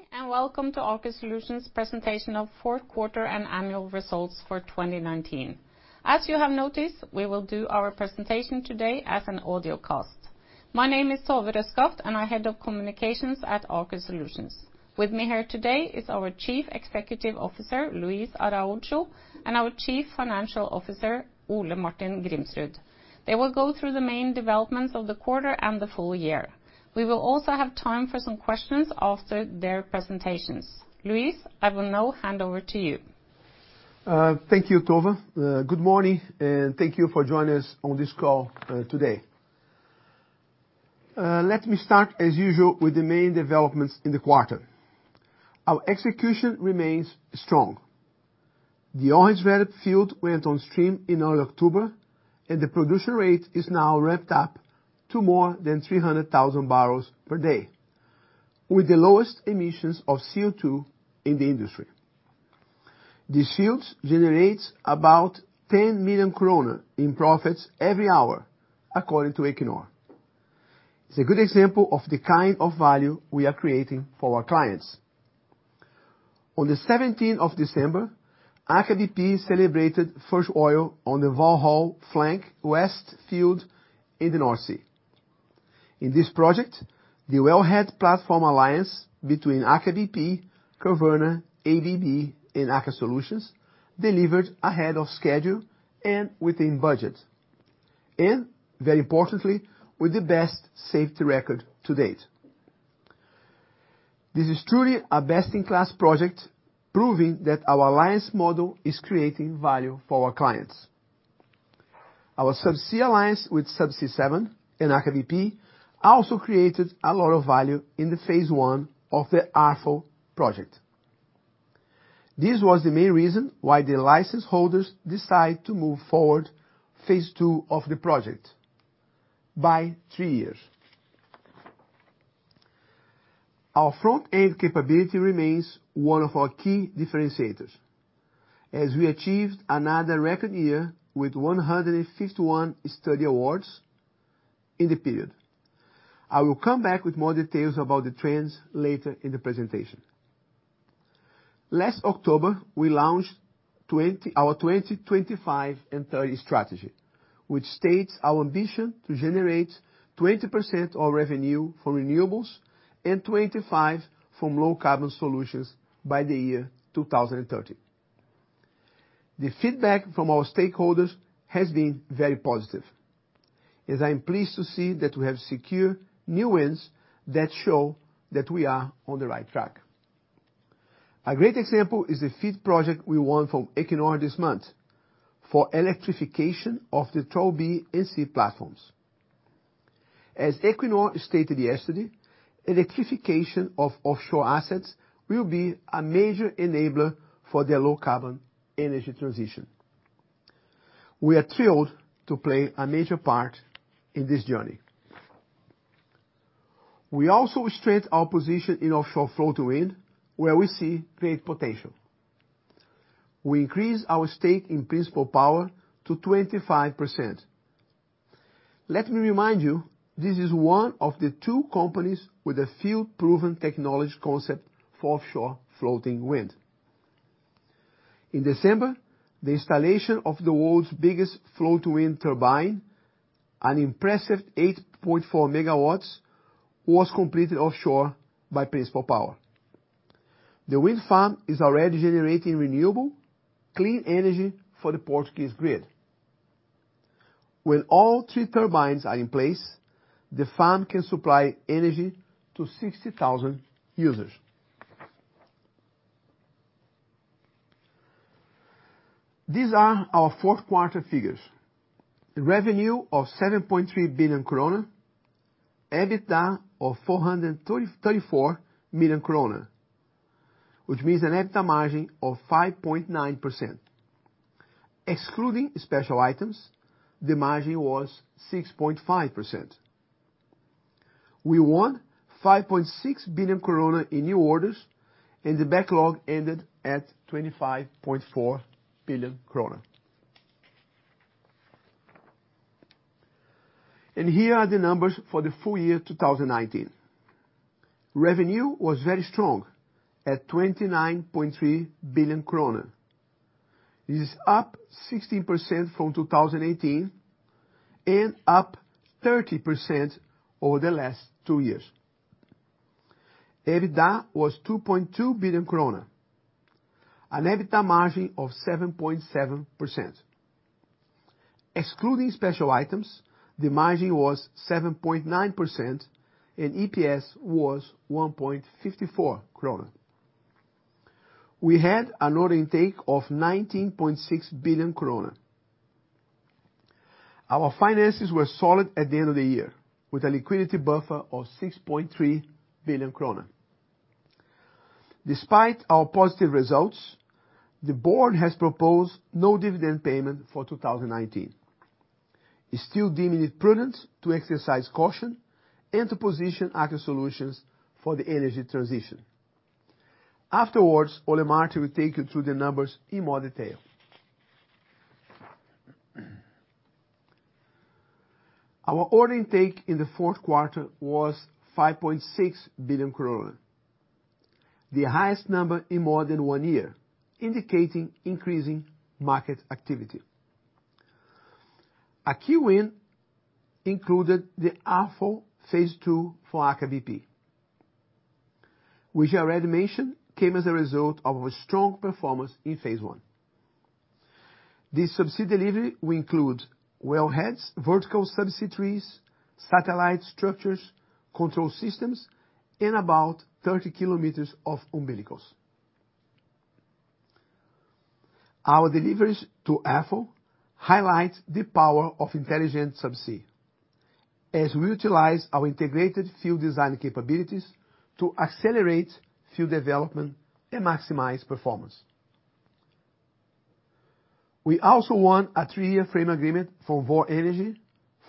Good morning. Welcome to Aker Solutions presentation of Q4 and annual results for 2019. As you have noticed, we will do our presentation today as an audio cast. My name is Tove Røskaft, and I'm head of communications at Aker Solutions. With me here today is our Chief Executive Officer, Luis Araujo, and our Chief Financial Officer, Ole Martin Grimsrud. They will go through the main developments of the quarter and the full year. We will also have time for some questions after their presentations. Luis, I will now hand over to you. Thank you, Tove. Good morning and thank you for joining us on this call today. Let me start as usual with the main developments in the quarter. Our execution remains strong. The Johan Sverdrup went on stream in early October, and the production rate is now ramped up to more than 300,000 barrels per day, with the lowest emissions of CO2 in the industry. These fields generates about 10 million kroner in profits every hour according to Equinor. It's a good example of the kind of value we are creating for our clients. On the 17th of December, Aker BP celebrated 1st oil on the Valhall Flank West field in the North Sea. In this project, the wellhead platform alliance between Aker BP, Kvaerner, ABB, and Aker Solutions delivered ahead of schedule and within budget, and very importantly, with the best safety record to date. This is truly a best-in-class project, proving that our alliance model is creating value for our clients. Our Subsea alliance with Subsea 7 and Aker BP also created a lot of value in the phase I of the Ærfugl project. This was the main reason why the license holders decide to move forward phase II of the project by 3 years. Our front-end capability remains one of our key differentiators, as we achieved another record year with 151 study awards in the period. I will come back with more details about the trends later in the presentation. Last October, we launched our 20, 25 and 30 strategy, which states our ambition to generate 20% of revenue from renewables and 25% from low carbon solutions by the year 2030. The feedback from our stakeholders has been very positive, as I am pleased to see that we have secured new wins that show that we are on the right track. A great example is the FEED project we won from Equinor this month for electrification of the Troll B and C platforms. As Equinor stated yesterday, electrification of offshore assets will be a major enabler for their low carbon energy transition. We are thrilled to play a major part in this journey. We also strengthened our position in offshore floating wind, where we see great potential. We increased our stake in Principle Power to 25%. Let me remind you, this is one of the 2 companies with a field-proven technology concept for offshore floating wind. In December, the installation of the world's biggest floating wind turbine, an impressive 8.4 megawatts, was completed offshore by Principle Power. The wind farm is already generating renewable, clean energy for the Portuguese grid. When all 3 turbines are in place, the farm can supply energy to 60,000 users. These are our Q4 figures. Revenue of 7.3 billion kroner. EBITDA of 434 million kroner, which means an EBITDA margin of 5.9%. Excluding special items, the margin was 6.5%. We won 5.6 billion krone in new orders and the backlog ended at 25.4 billion krone. Here are the numbers for the full year 2019. Revenue was very strong at 29.3 billion kroner. This is up 16% from 2018 and up 30% over the last 2 years. EBITDA was 2.2 billion kroner, an EBITDA margin of 7.7%. Excluding special items, the margin was 7.9% and EPS was 1.54 kroner. We had an order intake of 19.6 billion kroner. Our finances were solid at the end of the year, with a liquidity buffer of 6.3 billion kroner. Despite our positive results, the board has proposed no dividend payment for 2019. It's still deemed prudent to exercise caution and to position Aker Solutions for the energy transition. Afterwards, Ole Martin will take you through the numbers in more detail. Our order intake in the Q4 was 5.6 billion. The highest number in more than 1 year, indicating increasing market activity. A key win included the Ærfugl phase II for Aker BP, which I already mentioned came as a result of a strong performance in phase I. This subsea delivery will include wellheads, vertical subsea trees, satellite structures, control systems, and about 30 kilometers of umbilicals. Our deliveries to Ærfugl highlight the power of intelligent subsea as we utilize our integrated field design capabilities to accelerate field development and maximize performance. We also won a 3-year frame agreement for Vår Energi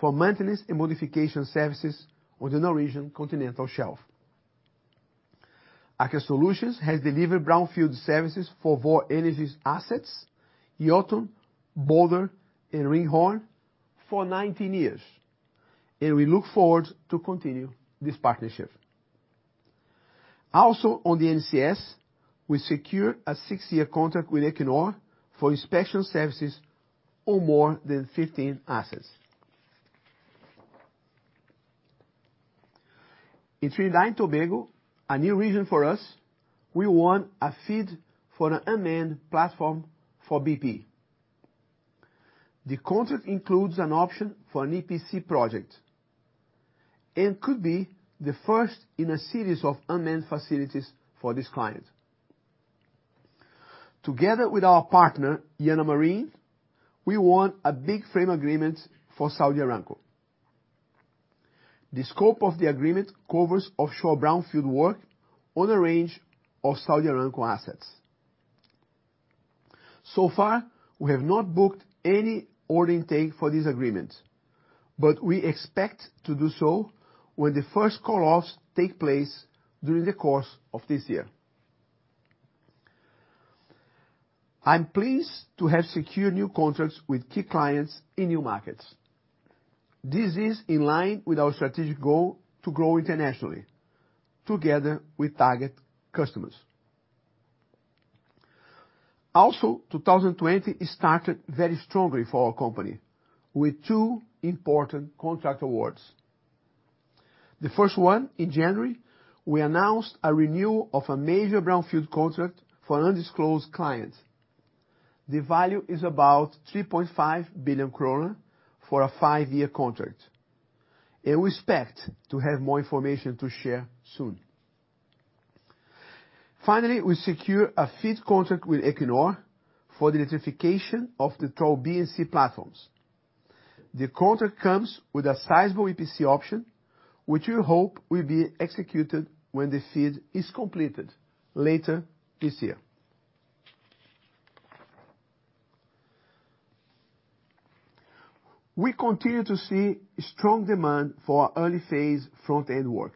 for maintenance and modification services on the Norwegian continental shelf. Aker Solutions has delivered brownfield services for Vår Energi's assets, Jotun, Balder, and Ringhorn for 19 years, and we look forward to continue this partnership. On the NCS, we secure a 6-year contract with Equinor for inspection services on more than 15 assets. In Trinidad and Tobago, a new region for us, we won a FEED for an unmanned platform for BP. The contract includes an option for an EPC project and could be the 1st in a series of unmanned facilities for this client. Together with our partner, Jana Marine, we won a big frame agreement for Saudi Aramco. The scope of the agreement covers offshore brownfield work on a range of Saudi Aramco assets. Far, we have not booked any order intake for this agreement, but we expect to do so when the 1st call-offs take place during the course of this year. I'm pleased to have secured new contracts with key clients in new markets. This is in line with our strategic goal to grow internationally together with target customers. 2020 started very strongly for our company with 2 important contract awards. The first one, in January, we announced a renewal of a major brownfield contract for an undisclosed client. The value is about 3.5 billion kroner for a 5-year contract, and we expect to have more information to share soon. Finally, we secure a FEED contract with Equinor for the electrification of the Troll B and C platforms. The contract comes with a sizable EPC option, which we hope will be executed when the FEED is completed later this year. We continue to see strong demand for our early phase front-end work,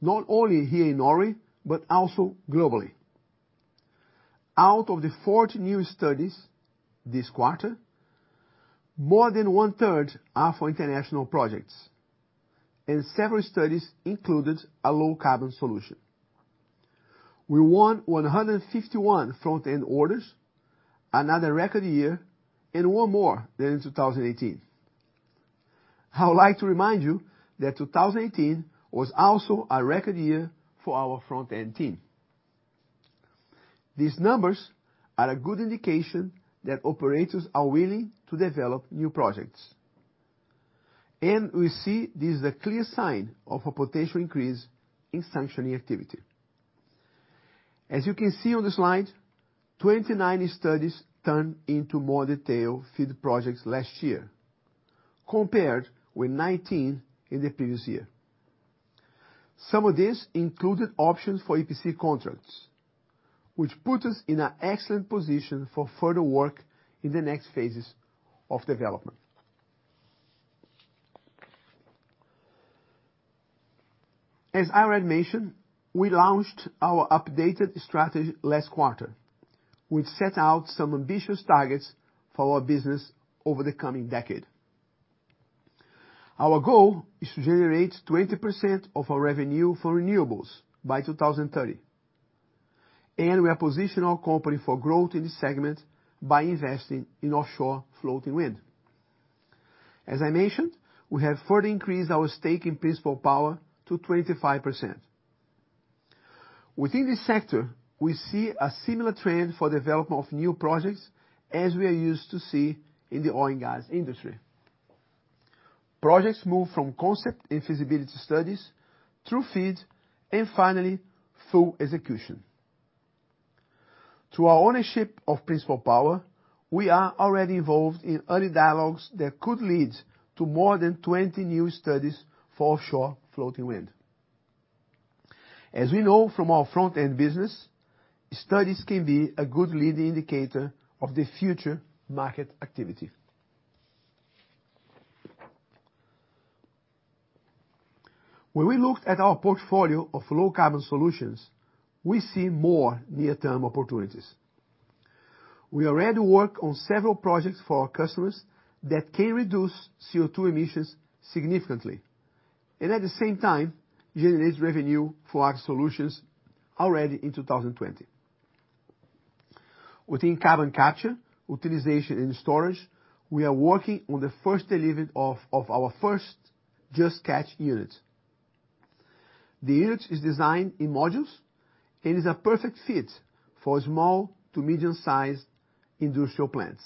not only here in Norway, but also globally. Out of the 40 new studies this quarter, more than 1/3 are for international projects, and several studies included a low carbon solution. We won 151 front-end orders, another record year and 1 more than in 2018. I would like to remind you that 2018 was also a record year for our front-end team. These numbers are a good indication that operators are willing to develop new projects. We see this is a clear sign of a potential increase in sanctioning activity. As you can see on the slide, 29 studies turned into more detailed FEED projects last year compared with 19 in the previous year. Some of these included options for EPC contracts, which put us in an excellent position for further work in the next phases of development. As I already mentioned, we launched our updated strategy last quarter. We set out some ambitious targets for our business over the coming decade. Our goal is to generate 20% of our revenue for renewables by 2030. We are positioning our company for growth in this segment by investing in offshore floating wind. As I mentioned, we have further increased our stake in Principle Power to 25%. Within this sector, we see a similar trend for development of new projects as we are used to see in the oil and gas industry. Projects move from concept and feasibility studies through FEED and finally full execution. Through our ownership of Principle Power, we are already involved in early dialogues that could lead to more than 20 new studies for offshore floating wind. As we know from our front-end business, studies can be a good leading indicator of the future market activity. When we looked at our portfolio of low carbon solutions, we see more near-term opportunities. We already work on several projects for our customers that can reduce CO2 emissions significantly, at the same time, generates revenue for Aker Solutions already in 2020. Within carbon capture, utilization and storage, we are working on the first delivery of our 1st Just Catch™ unit. The unit is designed in modules and is a perfect fit for small to medium-sized industrial plants.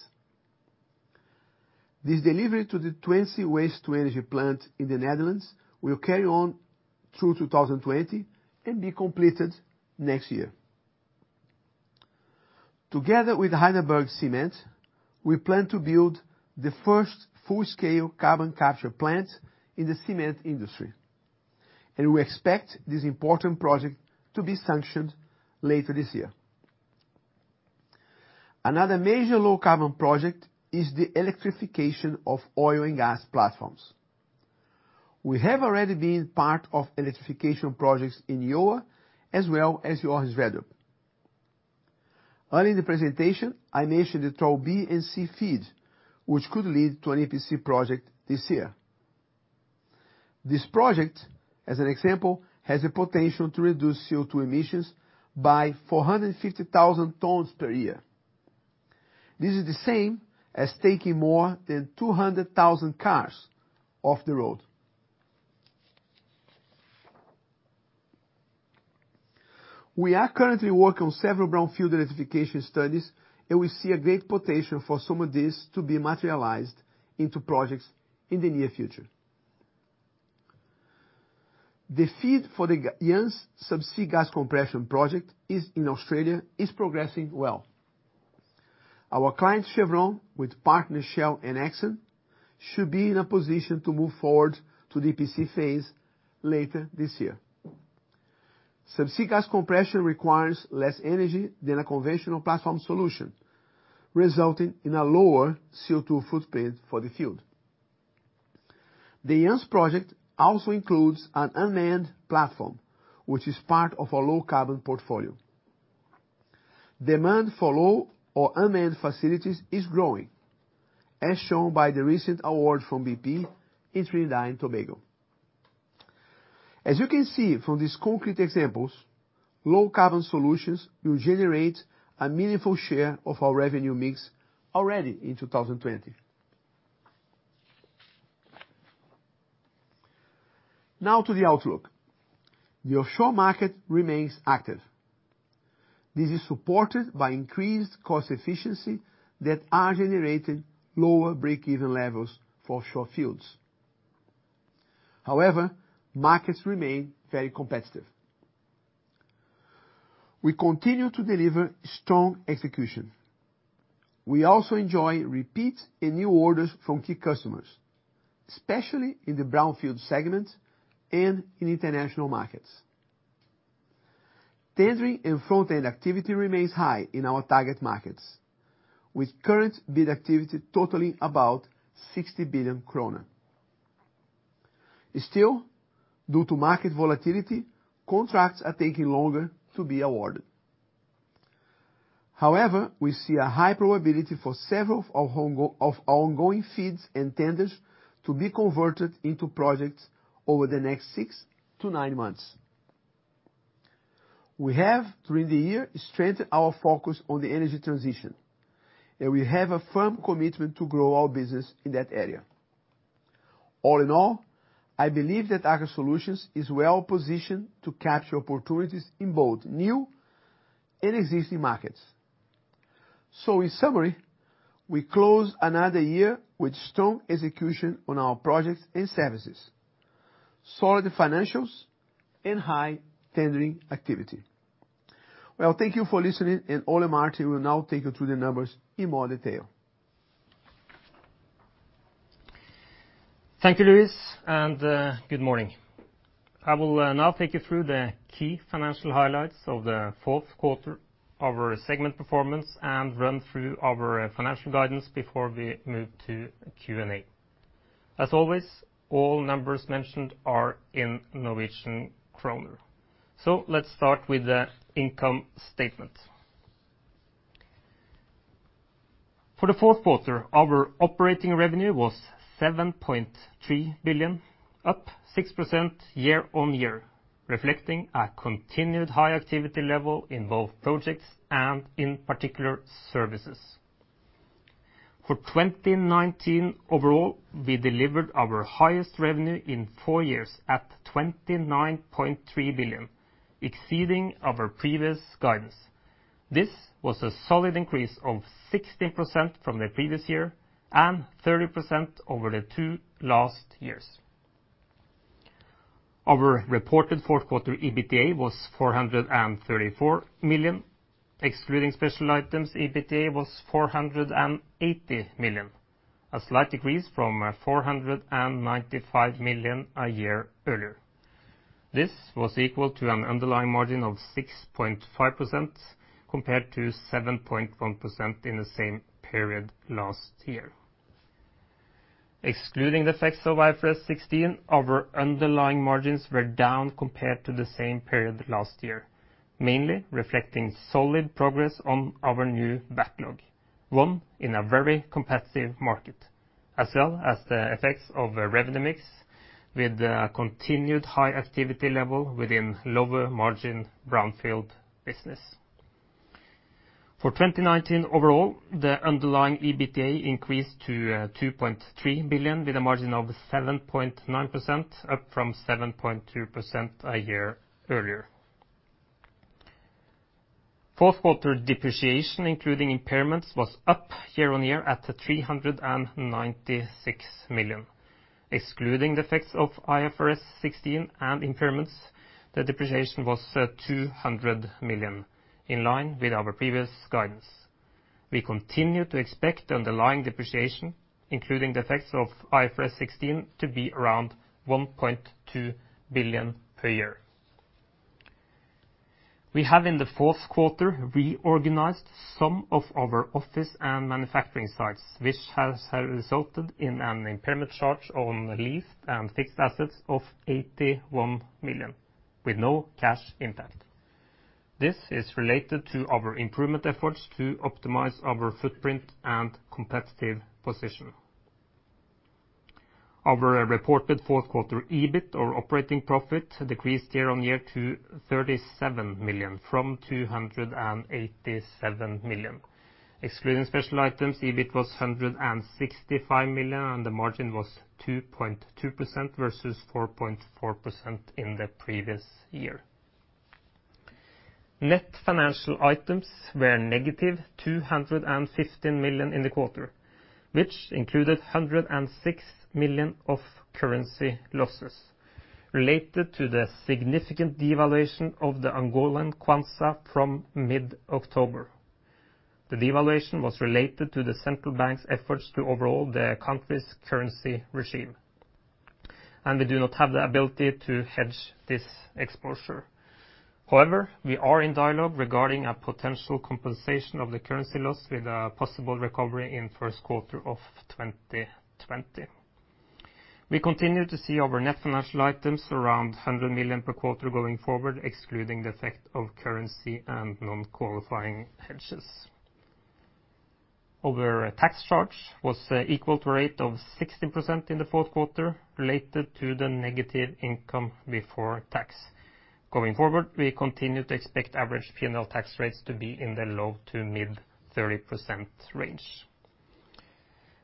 This delivery to the Twence waste-to-energy plant in the Netherlands will carry on through 2020 and be completed next year. Together with HeidelbergCement, we plan to build the 1st full-scale carbon capture plant in the cement industry, we expect this important project to be sanctioned later this year. Another major low-carbon project is the electrification of oil and gas platforms. We have already been part of electrification projects in Ula as well as Orang Valhall. Early in the presentation, I mentioned the Troll B and C FEED, which could lead to an EPC project this year. This project, as an example, has the potential to reduce CO2 emissions by 450,000 tons per year. This is the same as taking more than 200,000 cars off the road. We are currently working on several brownfield electrification studies, and we see a great potential for some of these to be materialized into projects in the near future. The FEED for the Jansz subsea gas compression project, in Australia, is progressing well. Our client, Chevron, with partners Shell and Exxon, should be in a position to move forward to the EPC phase later this year. Subsea gas compression requires less energy than a conventional platform solution, resulting in a lower CO2 footprint for the field. The Jansz project also includes an unmanned platform, which is part of our low-carbon portfolio. Demand for low or unmanned facilities is growing, as shown by the recent award from BP in Trinidad and Tobago. As you can see from these concrete examples, low-carbon solutions will generate a meaningful share of our revenue mix already in 2020. To the outlook. The offshore market remains active. This is supported by increased cost efficiency that are generating lower break-even levels for offshore fields. Markets remain very competitive. We continue to deliver strong execution. We also enjoy repeat and new orders from key customers, especially in the brownfield segments and in international markets. Tendering and front-end activity remains high in our target markets, with current bid activity totaling about 60 billion kroner. Due to market volatility, contracts are taking longer to be awarded. We see a high probability for several of our ongoing FEEDs and tenders to be converted into projects over the next 6 to 9 months. We have, during the year, strengthened our focus on the energy transition, and we have a firm commitment to grow our business in that area. I believe that Aker Solutions is well-positioned to capture opportunities in both new and existing markets. In summary, we close another year with strong execution on our projects and services, solid financials and high tendering activity. Thank you for listening, and Ole Martin will now take you through the numbers in more detail. Thank you, Luis. Good morning. I will now take you through the key financial highlights of the Q4, our segment performance, and run through our financial guidance before we move to Q&A. As always, all numbers mentioned are in Norwegian kroner. Let's start with the income statement. For the Q4, our operating revenue was 7.3 billion, up 6% year-on-year, reflecting a continued high activity level in both projects and, in particular, services. For 2019 overall, we delivered our highest revenue in 4 years at 29.3 billion, exceeding our previous guidance. This was a solid increase of 16% from the previous year and 30% over the 2 last years. Our reported Q4 EBITDA was 434 million, excluding special items, EBITDA was 480 million, a slight decrease from 495 million a year earlier. This was equal to an underlying margin of 6.5% compared to 7.1% in the same period last year. Excluding the effects of IFRS 16, our underlying margins were down compared to the same period last year, mainly reflecting solid progress on our new backlog, won in a very competitive market, as well as the effects of the revenue mix with the continued high activity level within lower margin brownfield business. For 2019 overall, the underlying EBITDA increased to 2.3 billion, with a margin of 7.9%, up from 7.2% a year earlier. Q4 depreciation, including impairments, was up year-on-year at 396 million NOK. Excluding the effects of IFRS 16 and impairments, the depreciation was 200 million NOK, in line with our previous guidance. We continue to expect underlying depreciation, including the effects of IFRS 16, to be around 1.2 billion NOK per year. We have, in the Q4, reorganized some of our office and manufacturing sites, which have resulted in an impairment charge on leased and fixed assets of 81 million NOK, with no cash impact. This is related to our improvement efforts to optimize our footprint and competitive position. Our reported Q4 EBIT, or operating profit, decreased year-on-year to 37 million NOK from 287 million NOK. Excluding special items, EBIT was 165 million NOK, and the margin was 2.2% versus 4.4% in the previous year. Net financial items were negative 215 million in the quarter, which included 106 million of currency losses related to the significant devaluation of the Angolan kwanza from mid-October. The devaluation was related to the central bank's efforts to overhaul the country's currency regime, we do not have the ability to hedge this exposure. We are in dialogue regarding a potential compensation of the currency loss with a possible recovery in Q1 of 2020. We continue to see our net financial items around 100 million per quarter going forward, excluding the effect of currency and non-qualifying hedges. Our tax charge was a equal to rate of 16% in the Q4, related to the negative income before tax. Going forward, we continue to expect average P&L tax rates to be in the low to mid-30% range.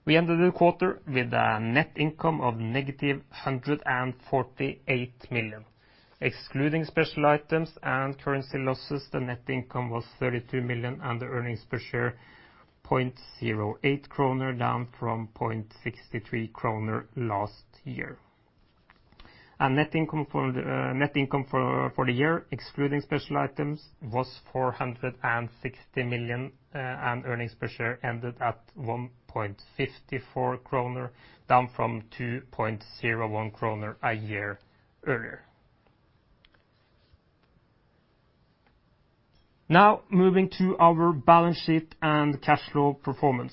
We ended the quarter with a net income of -148 million. Excluding special items and currency losses, the net income was 32 million, and the earnings per share 0.08 kroner, down from 0.63 kroner last year. Net income for the year, excluding special items, was 460 million, and earnings per share ended at 1.54 kroner, down from 2.01 kroner a year earlier. Now moving to our balance sheet and cash flow performance.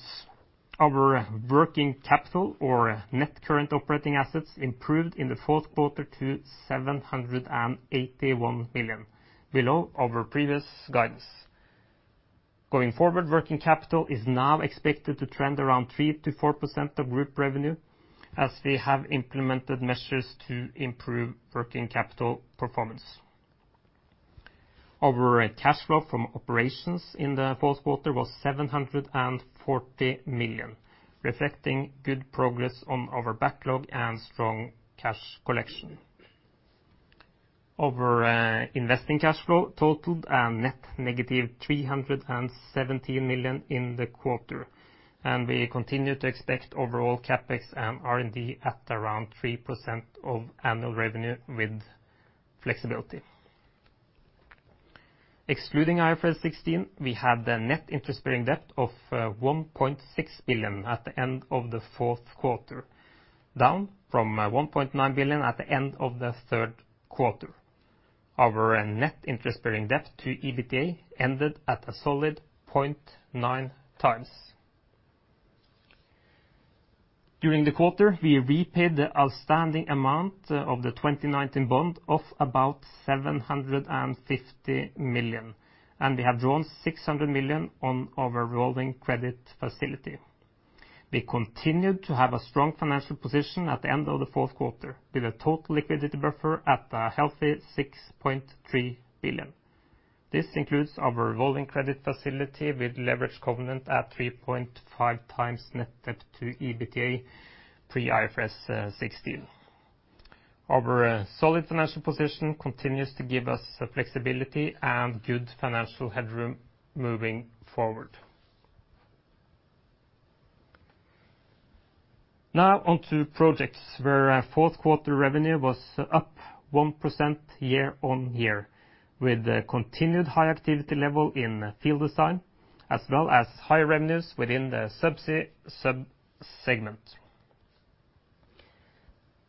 Our working capital or net current operating assets improved in the Q4 to 781 million, below our previous guidance. Going forward, working capital is now expected to trend around 3%-4% of group revenue, as we have implemented measures to improve working capital performance. Our cash flow from operations in the Q4 was 740 million, reflecting good progress on our backlog and strong cash collection. Our investing cash flow totaled a net negative 370 million in the quarter. We continue to expect overall CapEx and R&D at around 3% of annual revenue with flexibility. Excluding IFRS 16, we have the net interest-bearing debt of 1.6 billion at the end of the Q4, down from 1.9 billion at the end of the Q3. Our net interest-bearing debt to EBITDA ended at a solid 0.9 times. During the quarter, we repaid the outstanding amount of the 2019 bond of about 750 million. We have drawn 600 million on our revolving credit facility. We continued to have a strong financial position at the end of the Q4, with a total liquidity buffer at a healthy 6.3 billion. This includes our revolving credit facility with leverage covenant at 3.5 times net debt to EBITDA pre IFRS 16. Our solid financial position continues to give us flexibility and good financial headroom moving forward. Now on to projects, where our Q4 revenue was up 1% year-on-year, with a continued high activity level in field design as well as higher revenues within the Subsea subsegment.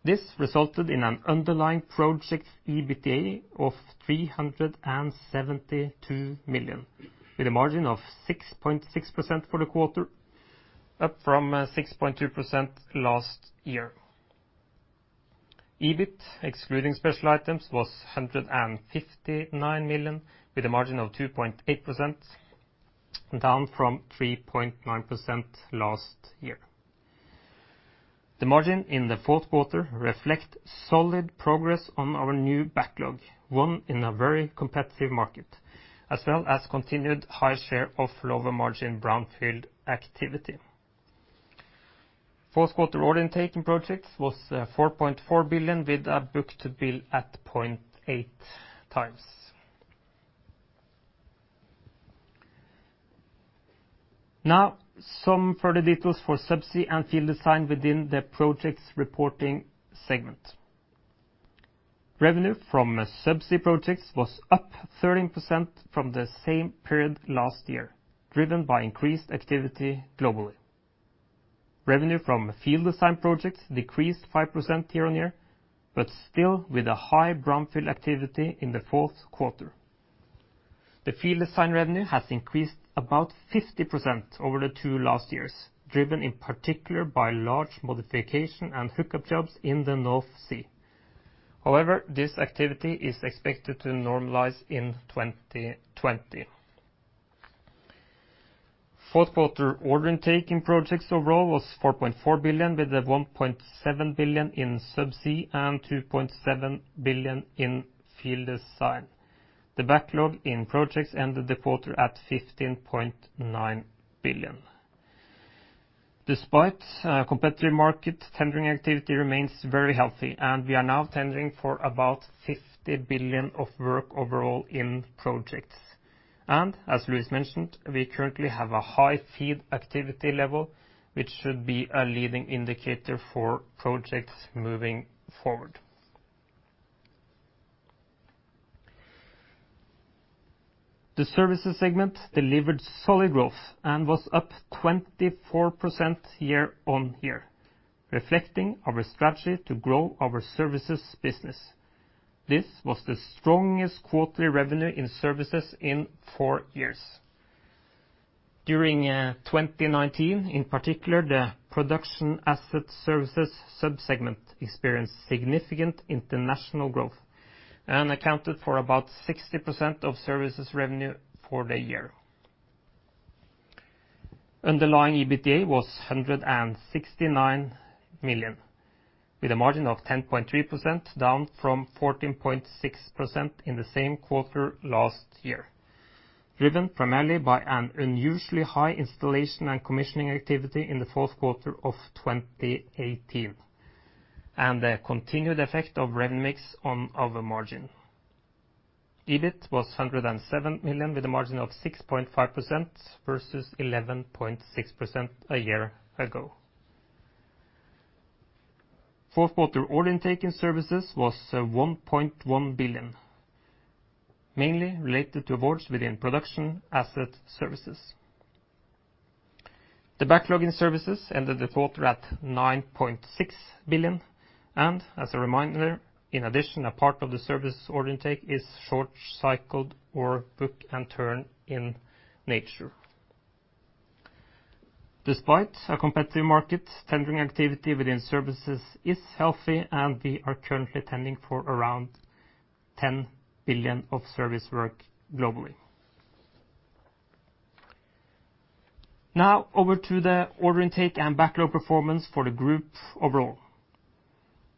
This resulted in an underlying project EBITDA of 372 million, with a margin of 6.6% for the quarter, up from 6.2% last year. EBIT, excluding special items, was 159 million, with a margin of 2.8%, down from 3.9% last year. The margin in the Q4 reflect solid progress on our new backlog, 1 in a very competitive market, as well as continued high share of lower margin brownfield activity. Q4 order intake in projects was 4.4 billion, with a book-to-bill at 0.8 times. Some further details for subsea and field design within the projects reporting segment. Revenue from subsea projects was up 13% from the same period last year, driven by increased activity globally. Revenue from field design projects decreased 5% year-on-year, but still with a high brownfield activity in the Q4. The field design revenue has increased about 50% over the 2 last years, driven in particular by large modification and hookup jobs in the North Sea. However, this activity is expected to normalize in 2020. Q4 order intake in projects overall was 4.4 billion, with 1.7 billion in subsea and 2.7 billion in field design. The backlog in projects ended the quarter at 15.9 billion. Despite a competitive market, tendering activity remains very healthy, and we are now tendering for about 50 billion of work overall in projects. As Luis mentioned, we currently have a high FEED activity level, which should be a leading indicator for projects moving forward. The services segment delivered solid growth and was up 24% year-on-year, reflecting our strategy to grow our services business. This was the strongest quarterly revenue in services in 4 years. During 2019, in particular, the production asset services sub-segment experienced significant international growth and accounted for about 60% of services revenue for the year. Underlying EBITDA was 169 million, with a margin of 10.3%, down from 14.6% in the same quarter last year, driven primarily by an unusually high installation and commissioning activity in the Q4 of 2018, and the continued effect of rev mix on our margin. EBIT was 107 million, with a margin of 6.5% versus 11.6% a year ago. Q4 order intake in services was 1.1 billion, mainly related to awards within production asset services. The backlog in services ended the quarter at 9.6 billion. As a reminder, in addition, a part of the service order intake is short cycled or book and turn in nature. Despite a competitive market, tendering activity within services is healthy, and we are currently tendering for around 10 billion of service work globally. Now over to the order intake and backlog performance for the group overall.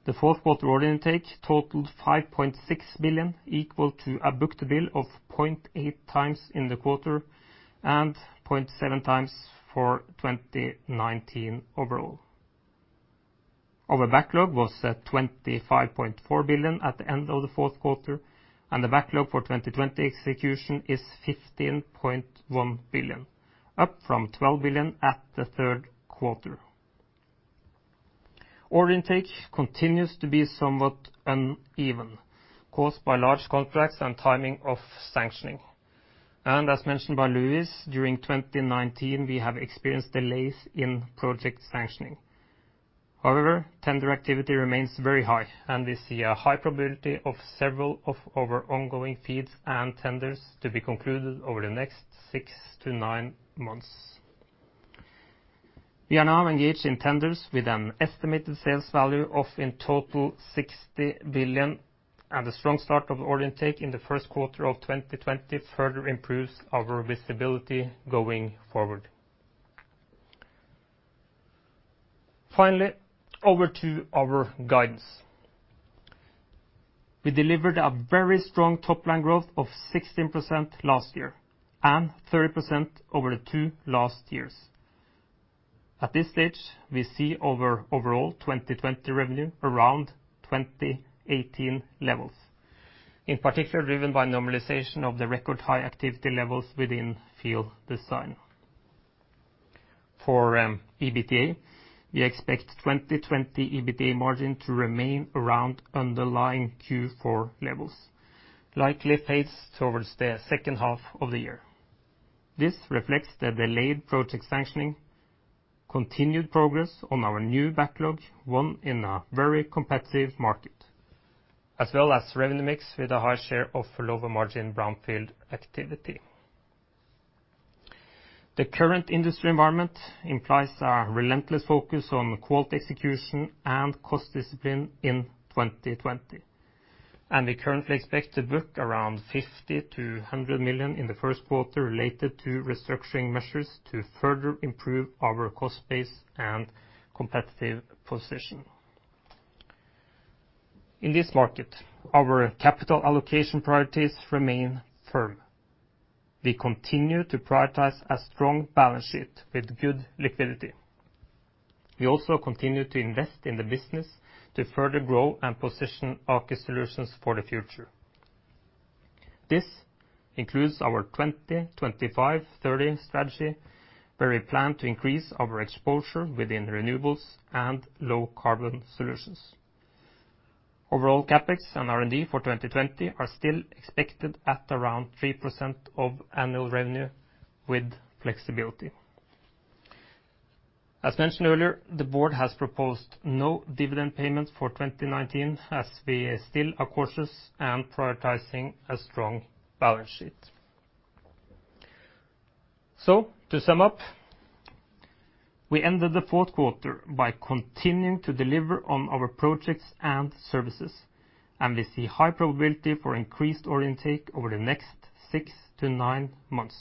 The Q4 order intake totaled 5.6 billion, equal to a book-to-bill of 0.8 times in the quarter, and 0.7 times for 2019 overall. Our backlog was at 25.4 billion at the end of the Q4, and the backlog for 2020 execution is 15.1 billion, up from 12 billion at the Q3. Order intake continues to be somewhat uneven, caused by large contracts and timing of sanctioning. As mentioned by Luis, during 2019, we have experienced delays in project sanctioning. Tender activity remains very high, and we see a high probability of several of our ongoing FEEDs and tenders to be concluded over the next 6 to 9 months. We are now engaged in tenders with an estimated sales value of, in total, 60 billion, and a strong start of order intake in the Q1 of 2020 further improves our visibility going forward. Finally, over to our guidance. We delivered a very strong top line growth of 16% last year and 30% over the 2 last years. At this stage, we see our overall 2020 revenue around 2018 levels, in particular driven by normalization of the record high activity levels within field design. For EBITDA, we expect 2020 EBITDA margin to remain around underlying Q4 levels, likely paced towards the H2 of the year. This reflects the delayed project sanctioning, continued progress on our new backlog, 1 in a very competitive market, as well as revenue mix with a high share of lower margin brownfield activity. The current industry environment implies a relentless focus on quality execution and cost discipline in 2020. We currently expect to book around 50 million-100 million in the Q1 related to restructuring measures to further improve our cost base and competitive position. In this market, our capital allocation priorities remain firm. We continue to prioritize a strong balance sheet with good liquidity. We also continue to invest in the business to further grow and position Aker Solutions for the future. This includes our 2025-30 strategy, where we plan to increase our exposure within renewables and low carbon solutions. Overall, CapEx and R&D for 2020 are still expected at around 3% of annual revenue with flexibility. As mentioned earlier, the board has proposed no dividend payment for 2019 as we still are cautious and prioritizing a strong balance sheet. To sum up, we ended the Q4 by continuing to deliver on our projects and services, and we see high probability for increased order intake over the next 6 to 9 months.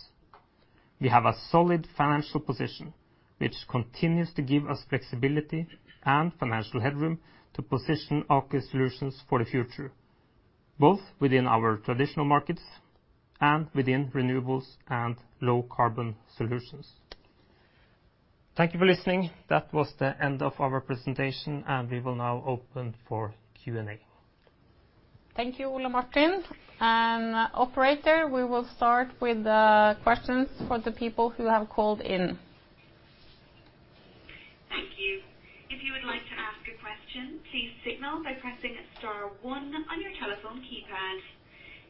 We have a solid financial position, which continues to give us flexibility and financial headroom to position Aker Solutions for the future, both within our traditional markets and within renewables and low carbon solutions. Thank you for listening. That was the end of our presentation, and we will now open for Q&A. Thank you, Ole Martin. Operator, we will start with the questions for the people who have called in. Thank you. If you would like to ask a question, please signal by pressing * 1 on your telephone keypad.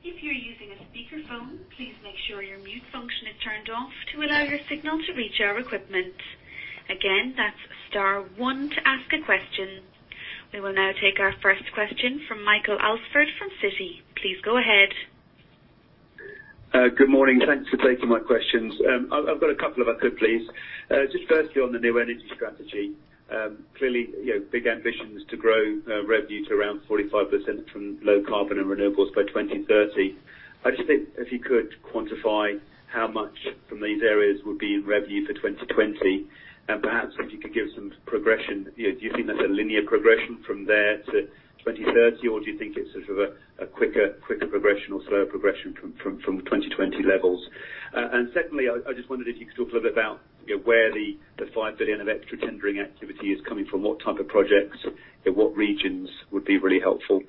If you're using a speakerphone, please make sure your mute function is turned off to allow your signal to reach our equipment. Again, that's * 1 to ask a question. We will now take our 1st question from Michael Alsford from Citi. Please go ahead. Good morning. Thanks for taking my questions. I've got a couple if I could, please. Just firstly on the new energy strategy, clearly, you know, big ambitions to grow revenue to around 45% from low carbon and renewables by 2030. I just think if you could quantify how much from these areas would be in revenue for 2020 and perhaps if you could give some progression. You know, do you think that's a linear progression from there to 2030, or do you think it's sort of a quicker progression or slower progression from 2020 levels? Secondly, I just wondered if you could talk a little bit about, you know, where the 5 billion of extra tendering activity is coming from, what type of projects, you know, what regions would be really helpful.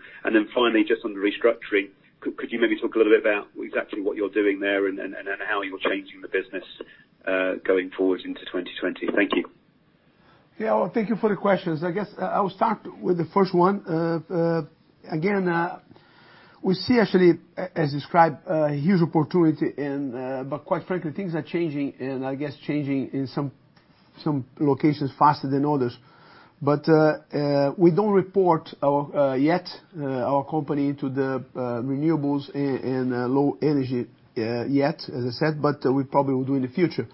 Finally, just on the restructuring, could you maybe talk a little bit about exactly what you're doing there and how you're changing the business going forward into 2020? Thank you. Well, thank you for the questions. I guess I will start with the first one. Again, we see actually as described a huge opportunity and quite frankly, things are changing and I guess changing in some locations faster than others. We don't report our yet our company to the renewables and low energy yet, as I said, but we probably will do in the future.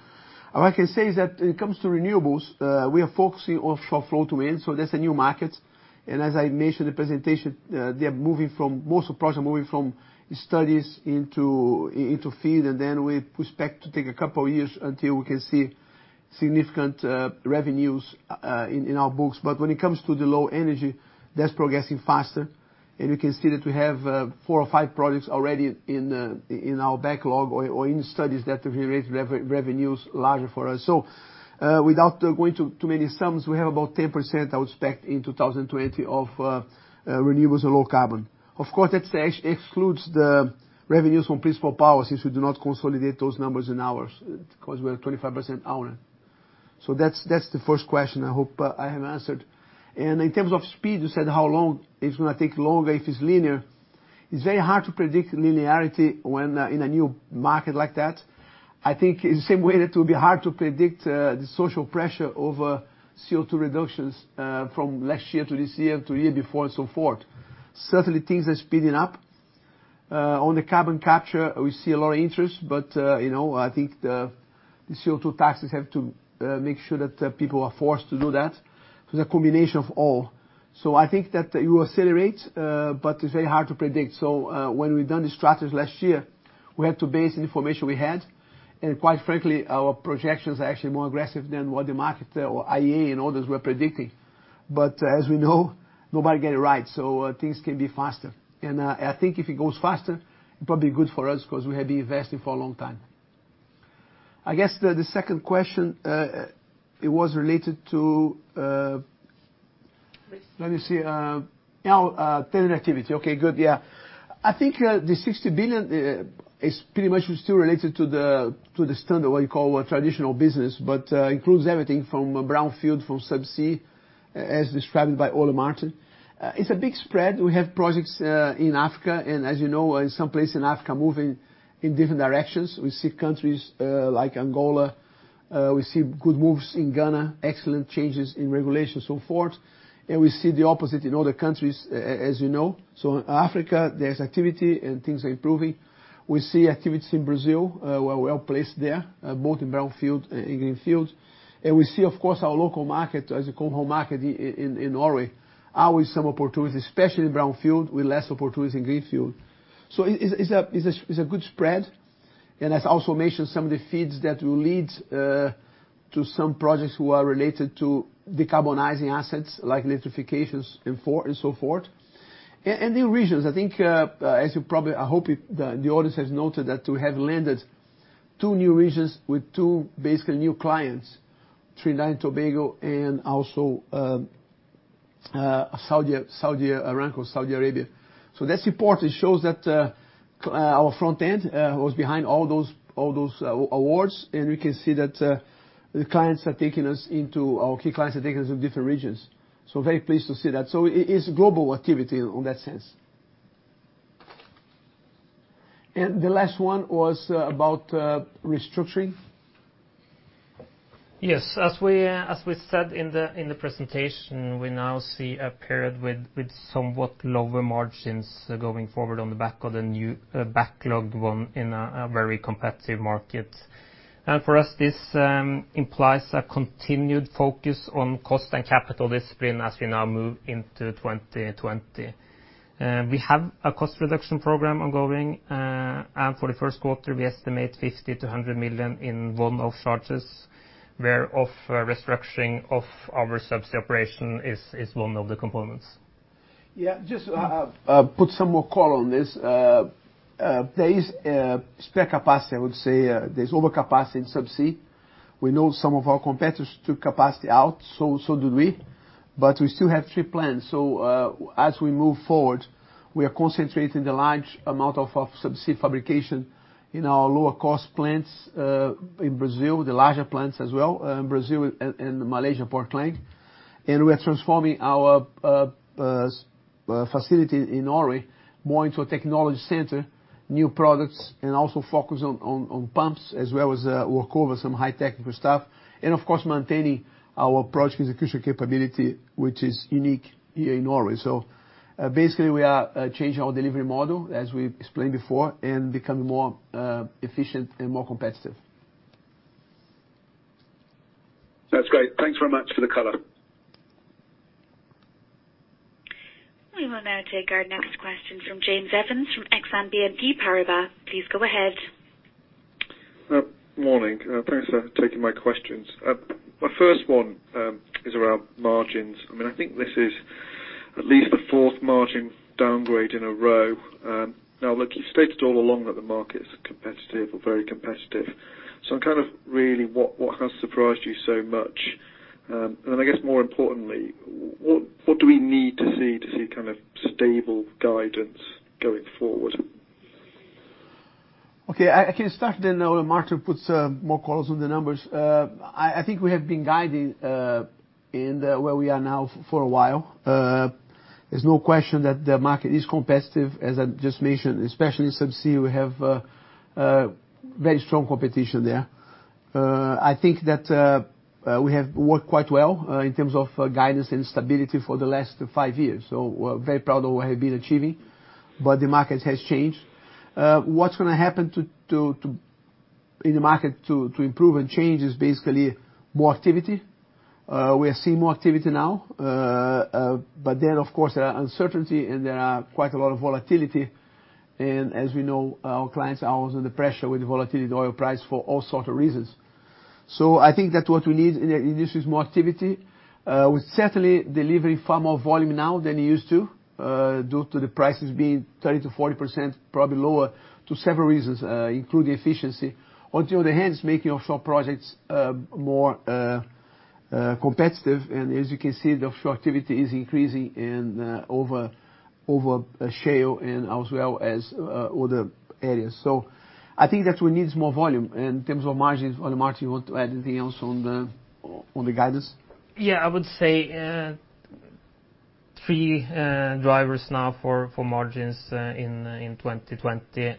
All I can say is that when it comes to renewables, we are focusing on shore flow to wind, so that's a new market. As I mentioned in the presentation, most of projects are moving from studies into FEED, and then we expect to take a couple of years until we can see significant revenues in our books. When it comes to the low energy, that's progressing faster. You can see that we have 4 or 5 projects already in our backlog or in studies that will generate revenues larger for us. Without going too many sums, we have about 10% I would expect in 2020 of renewables or low carbon. Of course, that's excludes the revenues from Principle Power since we do not consolidate those numbers in ours, because we are 25% owner. That's the 1st question I hope I have answered. In terms of speed, you said how long it's gonna take longer if it's linear. It's very hard to predict linearity when in a new market like that. I think in the same way that it will be hard to predict the social pressure over CO2 reductions from last year to this year to year before and so forth. Certainly, things are speeding up. On the carbon capture, we see a lot of interest, but, you know, I think the CO2 taxes have to make sure that people are forced to do that. The combination of all. I think that it will accelerate, but it's very hard to predict. When we've done the strategies last year, we had to base the information we had, and quite frankly, our projections are actually more aggressive than what the market or IEA and others were predicting. As we know, nobody get it right, so things can be faster. I think if it goes faster, it probably good for us 'cause we have been investing for a long time. I guess the 2nd question, it was related to. Risk. Let me see. Tenant activity. Okay, good. I think the 60 billion is pretty much still related to the, to the standard, what you call a traditional business, but includes everything from brownfield, from subsea as described by Ole Martin. It's a big spread. We have projects in Africa, and as you know, in some places in Africa moving in different directions. We see countries like Angola. We see good moves in Ghana, excellent changes in regulation so forth. We see the opposite in other countries as you know. In Africa, there's activity and things are improving. We see activities in Brazil, we're well-placed there, both in brownfield and in greenfield. We see of course our local market as a home market in Norway, always some opportunities, especially in brownfield with less opportunities in greenfield. It's a good spread, has also mentioned some of the FEEDs that will lead to some projects who are related to decarbonizing assets like electrifications and so forth. New regions, I think, as you probably, I hope the audience has noted that we have landed 2 new regions with 2 basically new clients, Trinidad and Tobago, and also Saudi Aramco, Saudi Arabia. That's important. It shows that our front end was behind all those awards, we can see that the clients are taking us into our key clients, are taking us in different regions. Very pleased to see that. It's global activity on that sense. The last 1 was about restructuring. Yes. As we said in the presentation, we now see a period with somewhat lower margins going forward on the back of the new backlogged 1 in a very competitive market. For us, this implies a continued focus on cost and capital discipline as we now move into 2020. We have a cost reduction program ongoing. For the Q1, we estimate 50-100 million in one-off charges where of restructuring of our subsea operation is one of the components. Yeah, just put some more color on this. There is spare capacity I would say. There's overcapacity in subsea. We know some of our competitors took capacity out, so do we still have 3 plans. As we move forward, we are concentrating the large amount of subsea fabrication in our lower cost plants in Brazil, the larger plants as well, in Brazil and Malaysia Port Klang. We are transforming our facility in Norway more into a technology center, new products and also focus on pumps as well as work over some high technical stuff and of course, maintaining our project execution capability, which is unique here in Norway. Basically we are changing our delivery model as we explained before, and becoming more efficient and more competitive. That's great. Thanks very much for the color. We will now take our next question from James Evans from Exane BNP Paribas. Please go ahead. Morning. Thanks for taking my questions. My first one is around margins. I mean, I think this is at least the 4th margin downgrade in a row. Now look, you've stated all along that the market is competitive or very competitive. I'm kind of really what has surprised you so much? I guess more importantly, what do we need to see to see kind of stable guidance going forward? Okay. I can start. Ole-Martin puts more colors on the numbers. I think we have been guiding in the, where we are now for a while. There's no question that the market is competitive, as I just mentioned, especially in subsea, we have very strong competition there. I think that we have worked quite well in terms of guidance and stability for the last 5 years. We're very proud of what we have been achieving, but the market has changed. What's gonna happen to in the market to improve and change is basically more activity. We are seeing more activity now. Of course there are uncertainty and there are quite a lot of volatility. As we know, our clients are also under pressure with the volatility of the oil price for all sort of reasons. I think that what we need in this is more activity, with certainly delivering far more volume now than it used to, due to the prices being 30%-40%, probably lower to several reasons, including efficiency. On the other hand, making offshore projects, more competitive. As you can see, the offshore activity is increasing and over shale and as well as other areas. I think that we need more volume. In terms of margins, Ole-Martin, you want to add anything else on the guidance? I would say 3 drivers now for margins in 2020.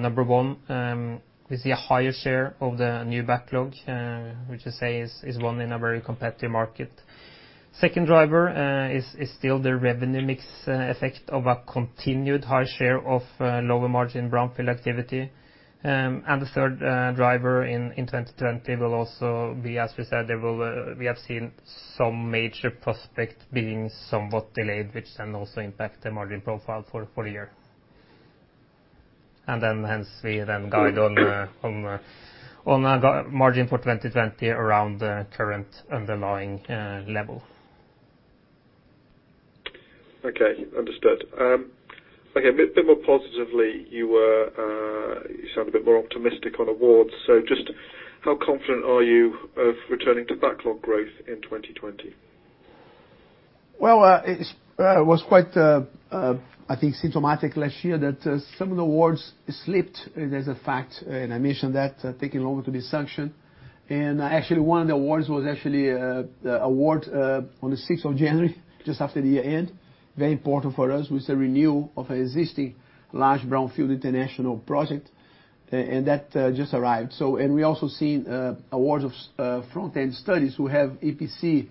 Number 1, we see a higher share of the new backlog, which I say is 1 in a very competitive market. 2nd driver is still the revenue mix effect of a continued high share of lower margin brownfield activity. The 3rd driver in 2020 will also be, as we said, we have seen some major prospect being somewhat delayed, which then also impact the margin profile for the year. Hence we then guide on a margin for 2020 around the current underlying level. Okay. Understood. Okay, a bit more positively, you sound a bit more optimistic on awards. Just how confident are you of returning to backlog growth in 2020? Well, it's was quite, I think symptomatic last year that some of the awards slipped. There's a fact, and I mentioned that, taking longer to be sanctioned. Actually, one of the awards was actually award on the 6th of January, just after the year-end. Very important for us. It was a renewal of existing large brownfield international project. That just arrived. We also seen awards of front-end studies who have EPC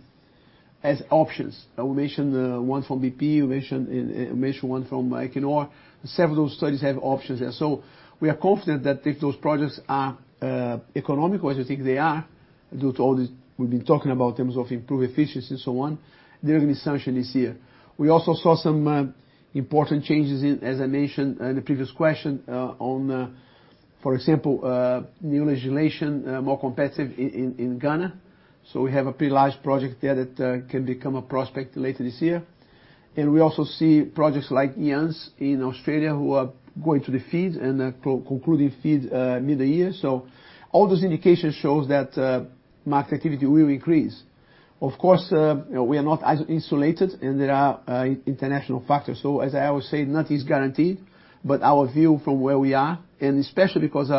as options. I will mention 1 from BP, we mentioned 1 from Equinor. Several of those studies have options there. We are confident that if those projects are economical, as we think they are, due to all this we've been talking about in terms of improved efficiency and so on, they're gonna be sanctioned this year. We also saw some important changes in, as I mentioned in the previous question, on, for example, new legislation, more competitive in Ghana. We have a pretty large project there that can become a prospect later this year. We also see projects like Jansz in Australia, who are going to the FEEDs and concluding FEEDs mid-year. All those indications shows that market activity will increase. Of course, you know, we are not iso-insulated, and there are international factors. As I always say, nothing is guaranteed, but our view from where we are, and especially because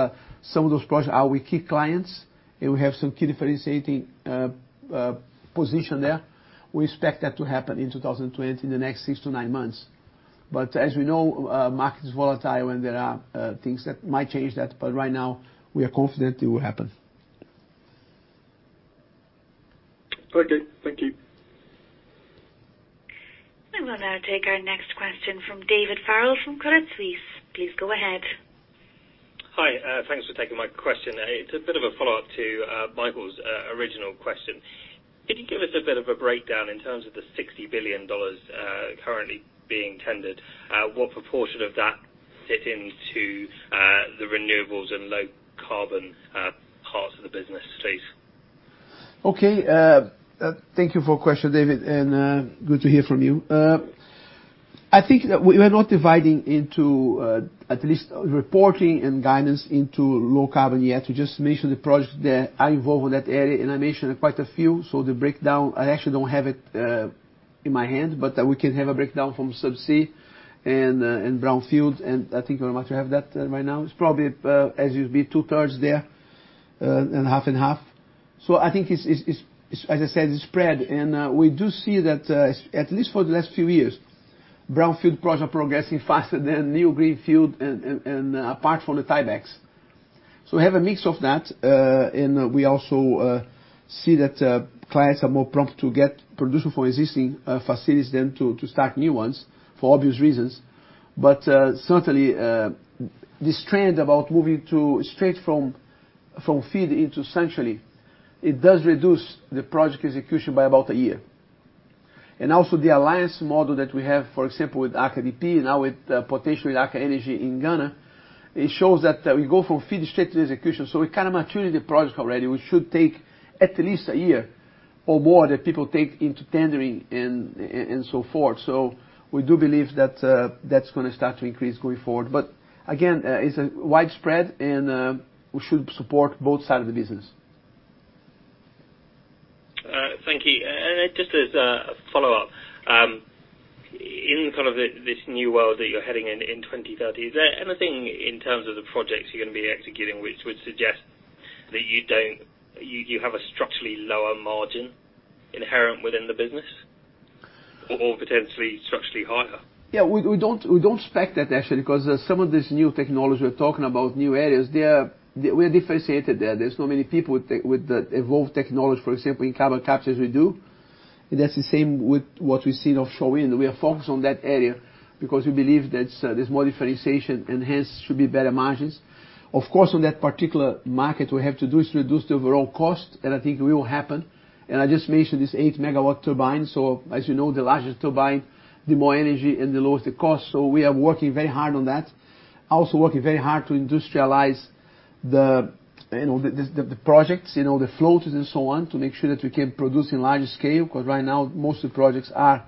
some of those projects are with key clients, and we have some key differentiating position there, we expect that to happen in 2020, in the next 6 to 9 months. As we know, market is volatile and there are, things that might change that. Right now, we are confident it will happen. Okay, thank you. I will now take our next question from David Farrell from Credit Suisse. Please go ahead. Hi. Thanks for taking my question. It's a bit of a follow-up to Michael's original question. Could you give us a bit of a breakdown in terms of the $60 billion currently being tendered? What proportion of that fit into the renewables and low carbon parts of the business, please? Okay. Thank you for your question, David, and good to hear from you. I think that we're not dividing into, at least reporting and guidance into low carbon yet. You just mentioned the projects that are involved in that area, and I mentioned quite a few. So the breakdown, I actually don't have it in my hand, but we can have a breakdown from subsea and brownfield, and I think we might have that right now. It's probably, as you'd be 2/3 there, and 50/50. So I think it's, it's, as I said, it's spread. We do see that, at least for the last few years, brownfield projects are progressing faster than new greenfield and apart from the tiebacks. We have a mix of that, and we also see that clients are more prompt to get production from existing facilities than to start new ones, for obvious reasons. Certainly, this trend about moving to straight from FEED into essentially, it does reduce the project execution by about a year. The alliance model that we have, for example, with Aker BP, now with potentially Aker Energy in Ghana, it shows that we go from FEED straight to execution. We kind of maturity the project already, which should take at least a year or more that people take into tendering and so forth. We do believe that that's gonna start to increase going forward. It's widespread and we should support both sides of the business. Thank you. Just as a follow-up, in kind of this new world that you're heading in 2030, is there anything in terms of the projects you're gonna be executing which would suggest that you don't, you have a structurally lower margin inherent within the business or potentially structurally higher? We, we don't, we don't expect that actually, 'cause some of these new technologies we're talking about, new areas, we are differentiated there. There's not many people with the, with the evolved technology, for example, in carbon capture as we do. That's the same with what we've seen offshore wind. We are focused on that area because we believe that there's more differentiation and hence should be better margins. On that particular market, we have to do is reduce the overall cost, and I think it will happen. I just mentioned this 8 megawatt turbine, so as you know, the larger the turbine, the more energy and the lower the cost. We are working very hard on that. Also working very hard to industrialize the projects, the floaters and so on, to make sure that we can produce in larger scale, because right now, most of the projects are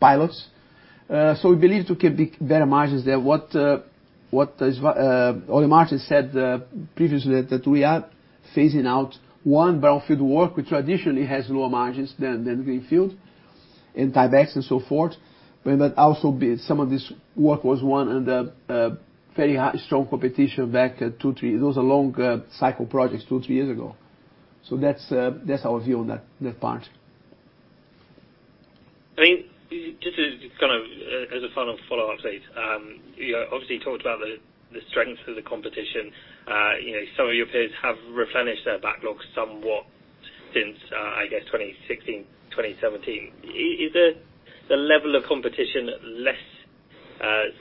pilots. We believe it can be better margins there. What Ole Martin said previously, that we are phasing out 1 brownfield work, which traditionally has lower margins than greenfield and tiebacks and so forth. Some of this work was won under very high strong competition back 2, 3. Those are long cycle projects 2, 3 years ago. That's our view on that part. I mean, just to kind of as a final follow-up, please. You obviously talked about the strength of the competition. You know, some of your peers have replenished their backlogs somewhat since, I guess 2016, 2017. Is the level of competition less,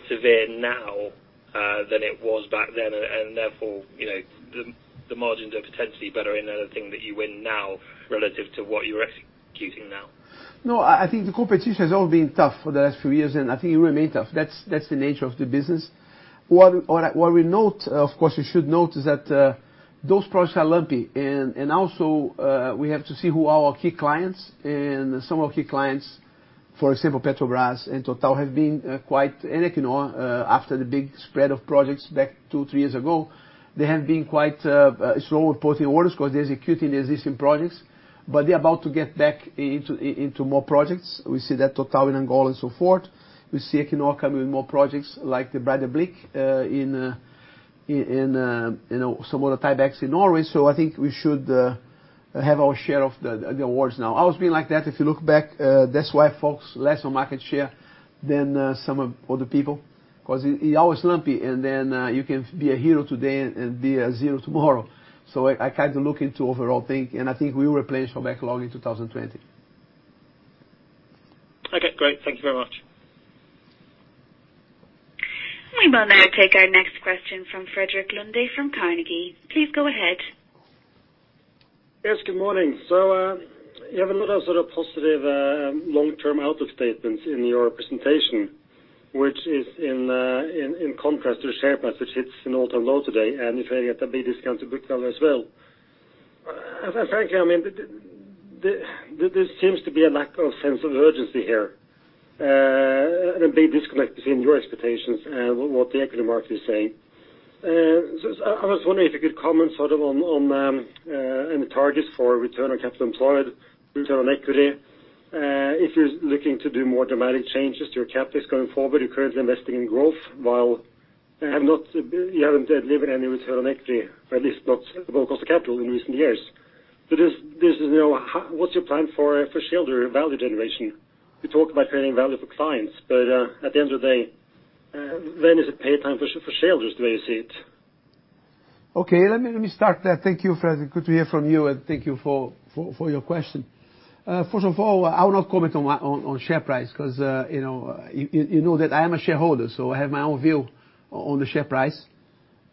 severe now, than it was back then, and therefore, you know, the margins are potentially better in anything that you win now relative to what you're executing now? I think the competition has all been tough for the last few years, and I think it will remain tough. That's the nature of the business. What I, what we note, of course, you should note, is that those projects are lumpy and also we have to see who are our key clients and some of our key clients. For example, Petrobras and Total have been quite, and Equinor, after the big spread of projects back 2, 3 years ago, they have been quite slow with putting orders 'cause they're executing the existing projects, but they're about to get back into more projects. We see that Total in Angola and so forth. We see Equinor coming with more projects like the Breidablikk, in, you know, some of the tie-backs in Norway. I think we should have our share of the awards now. Always been like that, if you look back, that's why, folks, less on market share than some of other people 'cause it always lumpy, and then you can be a hero today and be a 0 tomorrow. I kind of look into overall thing, and I think we will replenish our backlog in 2020. Okay, great. Thank you very much. We will now take our next question from Frederik Lunde from Carnegie. Please go ahead. Yes, good morning. You have a lot of sort of positive long-term outlook statements in your presentation, which is in contrast to share price, which hits an all-time low today, and you're trading at a big discount to book value as well. Frankly, I mean, there seems to be a lack of sense of urgency here, and a big disconnect between your expectations and what the equity market is saying. I was wondering if you could comment sort of on the targets for return on capital employed, return on equity, if you're looking to do more dramatic changes to your cap base going forward. You're currently investing in growth while you haven't delivered any return on equity, at least not above cost of capital in recent years. This is, you know, what's your plan for shareholder value generation? You talked about creating value for clients, but at the end of the day, when is it pay time for shareholders the way you see it? Okay. Let me start there. Thank you, Frederik. Good to hear from you, and thank you for your question. First of all, I will not comment on share price 'cause, you know, you know that I am a shareholder, so I have my own view on the share price.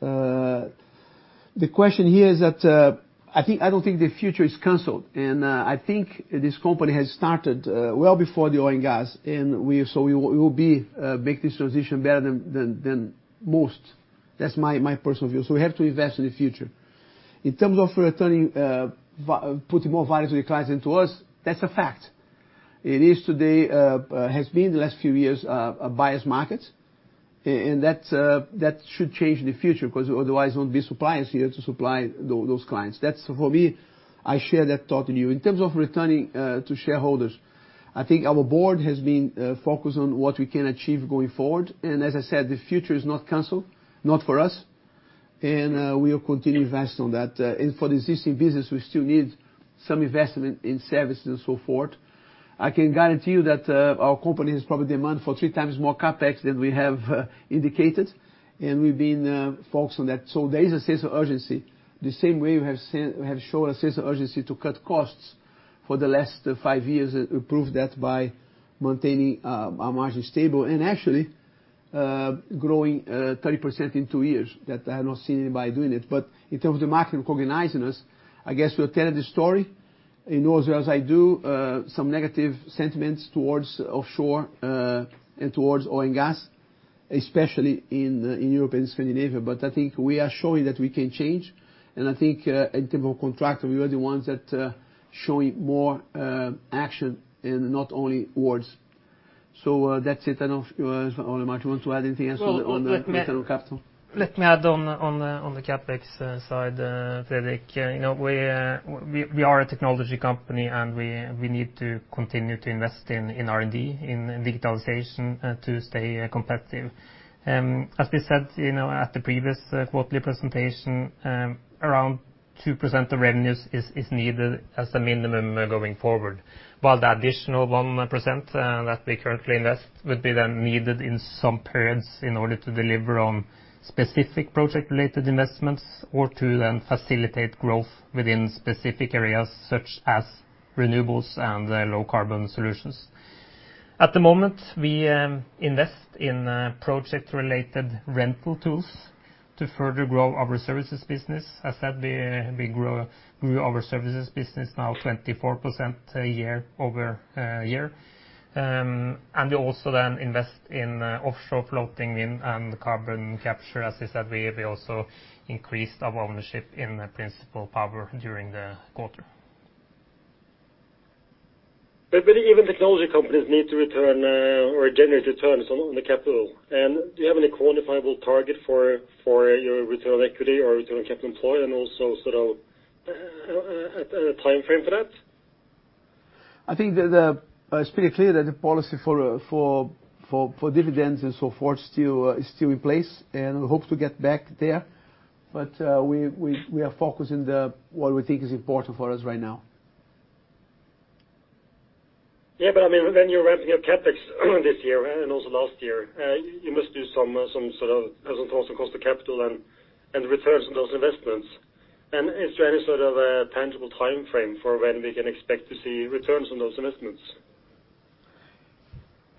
The question here is that, I think, I don't think the future is canceled, and I think this company has started well before the oil and gas. We will be make this transition better than most. That's my personal view. We have to invest in the future. In terms of returning, putting more value to the clients and to us, that's a fact. It is today, has been the last few years, a buyer's market. That, that should change in the future 'cause otherwise there won't be suppliers here to supply those clients. That's for me, I share that thought with you. In terms of returning to shareholders, I think our board has been focused on what we can achieve going forward, and as I said, the future is not canceled, not for us, and we will continue to invest on that. For the existing business, we still need some investment in services and so forth. I can guarantee you that our company has probably demand for 3 times more CapEx than we have indicated, and we've been focused on that. There is a sense of urgency. The same way we have shown a sense of urgency to cut costs for the last 5 years, proved that by maintaining our margin stable and actually growing 30% in 2 years, that I have not seen anybody doing it. In terms of the market recognizing us, I guess we're telling the story. In Norway, as I do, some negative sentiments towards offshore and towards oil and gas, especially in Europe and Scandinavia. I think we are showing that we can change, and I think in terms of contractor, we are the ones that showing more action and not only words. That's it. I don't know if Ole Martin want to add anything else on. Well. on the return on capital. Let me add on the CapEx side, Frederik. You know, we are a technology company, and we need to continue to invest in R&D, in digitalization to stay competitive. As we said, you know, at the previous quarterly presentation, around 2% of revenues is needed as a minimum going forward. The additional 1% that we currently invest would be then needed in some periods in order to deliver on specific project-related investments or to then facilitate growth within specific areas such as renewables and low carbon solutions. At the moment, we invest in project-related rental tools to further grow our services business. As said, we grew our services business now 24% a year over year. We also then invest in offshore floating wind and carbon capture. As I said, we also increased our ownership in Principle Power during the quarter. Really even technology companies need to return, or generate returns on the capital. Do you have any quantifiable target for your return on equity or return on capital employed and also sort of a timeframe for that? I think that, it's pretty clear that the policy for dividends and so forth is still in place, and we hope to get back there. We are focused in the, what we think is important for us right now. I mean, when you're ramping up CapEx this year and also last year, you must do some sort of return also cost of capital and returns on those investments. Is there any sort of a tangible timeframe for when we can expect to see returns on those investments?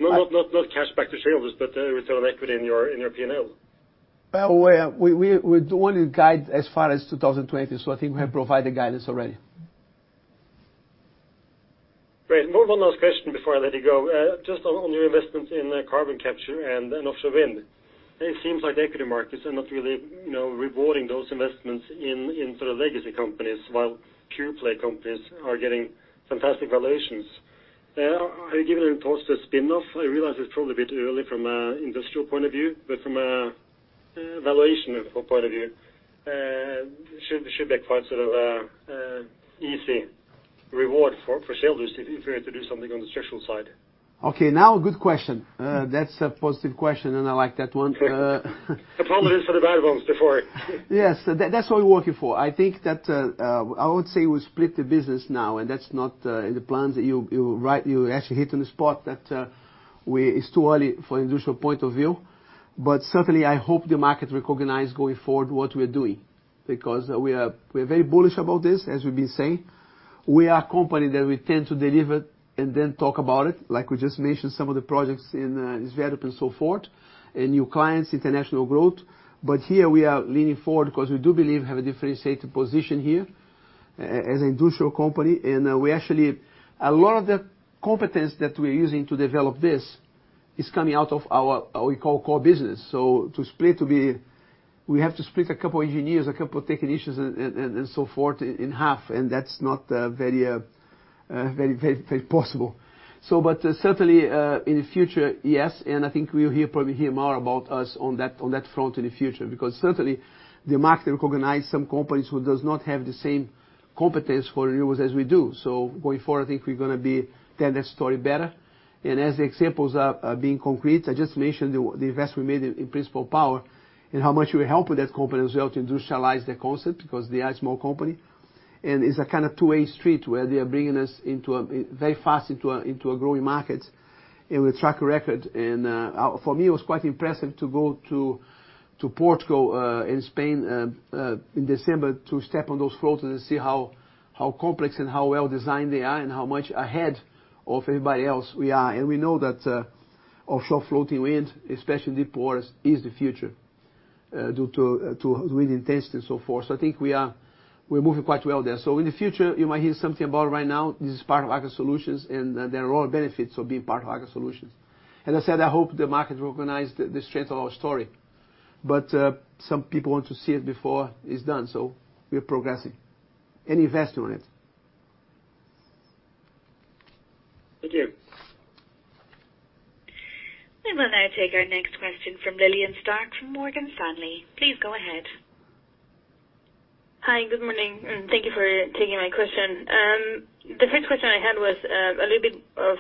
Not cash back to shareholders, but, return on equity in your P&L. Well, we'd only guide as far as 2020. I think we have provided guidance already. Great. 1 last question before I let you go. just on your investment in carbon capture and in offshore wind. Private equity markets are not really, you know, rewarding those investments in sort of legacy companies, while pure play companies are getting fantastic valuations. Have you given any thoughts to spin off? I realize it's probably a bit early from an industrial point of view, but from a valuation point of view, should be quite sort of easy reward for shareholders if you were to do something on the structural side. Okay, now good question. That's a positive question, and I like that one. Apologies for the bad ones before. Yes. That's what we're working for. I think that I would say we split the business now. That's not in the plans. You're right. You actually hit on the spot that it's too early for industrial point of view. Certainly I hope the market recognize going forward what we're doing because we're very bullish about this, as we've been saying. We are a company that we tend to deliver and then talk about it, like we just mentioned some of the projects in Sverdrup and so forth, and new clients, international growth. Here we are leaning forward because we do believe we have a differentiated position here as an industrial company. We actually. A lot of the competence that we're using to develop this is coming out of our we call core business. We have to split a couple engineers, a couple technicians and so forth in half, and that's not very, very possible. But certainly, in the future, yes. I think you'll probably hear more about us on that, on that front in the future, because certainly the market recognize some companies who does not have the same competence for renewals as we do. Going forward, I think we're gonna be telling that story better. As the examples are being concrete, I just mentioned the invest we made in Principle Power and how much we help with that company as well to industrialize their concept because they are a small company, and it's a kind of two-way street where they are bringing us into a, very fast into a, into a growing market and with track record. For me, it was quite impressive to go to Portugal and Spain in December to step on those floats and see how complex and how well-designed they are and how much ahead of everybody else we are. We know that offshore floating wind, especially deep waters, is the future due to wind intensity and so forth. I think we are, we're moving quite well there. In the future you might hear something about it. Right now, this is part of Aker Solutions, and there are benefits of being part of Aker Solutions. As I said, I hope the market recognize the strength of our story, but some people want to see it before it's done, so we're progressing and investing on it. Thank you. We will now take our next question from Lillian Starke from Morgan Stanley. Please go ahead. Hi. Good morning, and thank you for taking my question. The 1st question I had was a little bit of,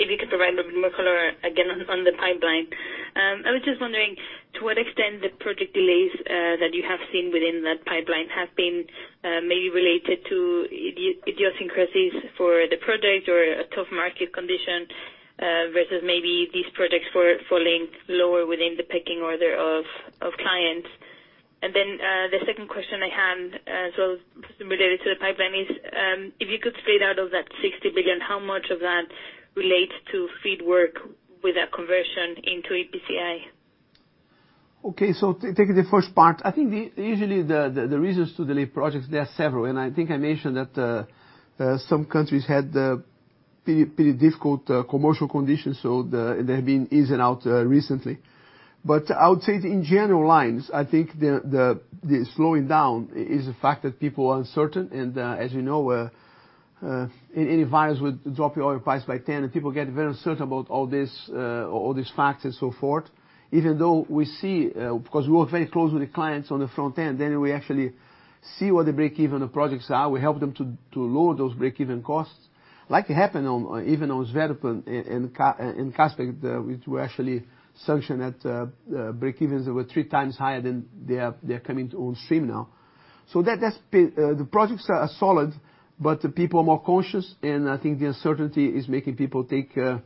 if you could provide a bit more color again on the pipeline. I was just wondering to what extent the project delays that you have seen within that pipeline have been maybe related to idiosyncrasies for the project or a tough market condition versus maybe these projects were falling lower within the pecking order of clients. The 2nd question I had related to the pipeline is, if you could state out of that 60 billion, how much of that relates to FEED work with a conversion into EPCI? Okay. Taking the first part, I think the usually the reasons to delay projects, there are several, and I think I mentioned that some countries had pretty difficult commercial conditions, so they've been in and out recently. I would say in general lines, I think the slowing down is the fact that people are uncertain and as you know any virus would drop your oil price by 10, and people get very uncertain about all this all these facts and so forth. Even though we see because we work very closely with clients on the front end, we actually see what the break-even of projects are. We help them to lower those break-even costs, like it happened on, even on Sverdrup and Kashagan, which we actually sanctioned at break-evens that were 3 times higher than they are, they're coming to on stream now. The projects are solid, the people are more cautious, and I think the uncertainty is making people take a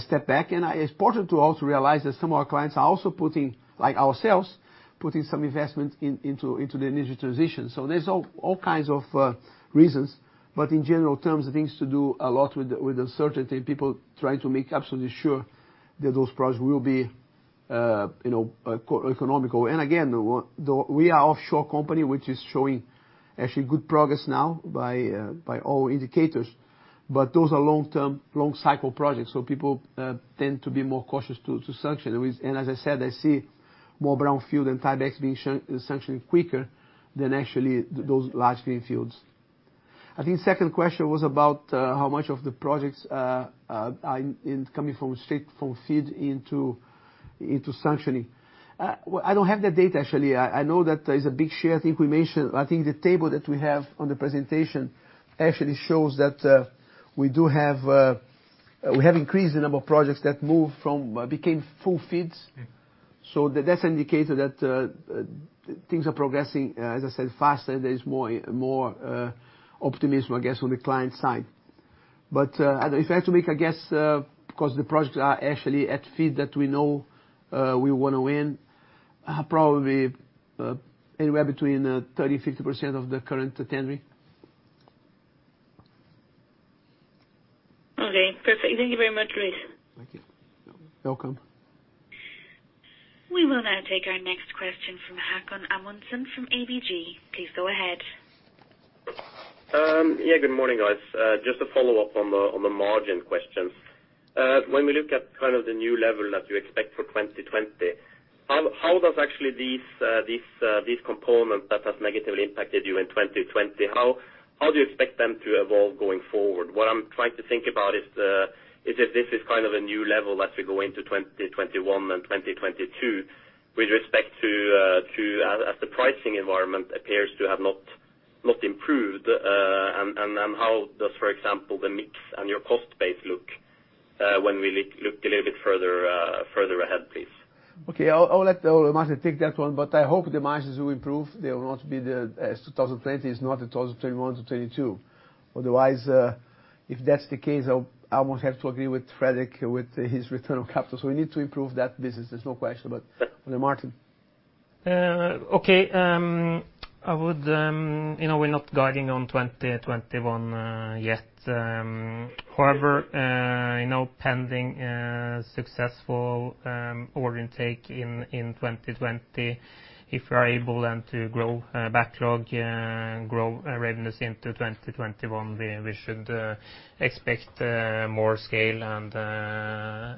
step back. It's important to also realize that some of our clients are also putting, like ourselves, putting some investment into the energy transition. There's all kinds of reasons. In general terms, it has to do a lot with uncertainty, people trying to make absolutely sure that those projects will be, you know, eco-economical. Again, we are offshore company, which is showing actually good progress now by all indicators. Those are long-term, long cycle projects, so people tend to be more cautious to sanction. As I said, I see more brown field and type X being sanctioned quicker than actually those large green fields. I think 2nd question was about how much of the projects are coming from straight from FEED into sanctioning. Well, I don't have the data actually. I know that there's a big share I think we mentioned. I think the table that we have on the presentation actually shows that we do have, we have increased the number of projects that move from became full FEEDs. That's indicated that things are progressing, as I said, faster. There is more optimism, I guess, on the client side. If I had to make a guess, because the projects are actually at FEED that we know, we wanna win, probably, anywhere between 30%-50% of the current tendering. Okay. Perfect. Thank you very much, Luis. Thank you. Welcome. We will now take our next question from Håkon Amundsen from ABG. Please go ahead. Good morning, guys. Just a follow-up on the margin question. When we look at kind of the new level that you expect for 2020, how does actually these components that have negatively impacted you in 2020, how do you expect them to evolve going forward? What I'm trying to think about is if this is kind of a new level as we go into 2021 and 2022 with respect to as the pricing environment appears to have not improved, and how does, for example, the mix and your cost base look when we look a little bit further ahead, please? Okay. I'll let Martin take that one, but I hope the margins will improve. They will not be as 2020 is not the 2021 to 2022. Otherwise, if that's the case, I will have to agree with Frederik with his return on capital. We need to improve that business, there's no question about it. Martin? Okay. I would, you know, we're not guiding on 2021 yet. You know, pending successful order intake in 2020, if we are able then to grow backlog and grow revenues into 2021, we should expect more scale and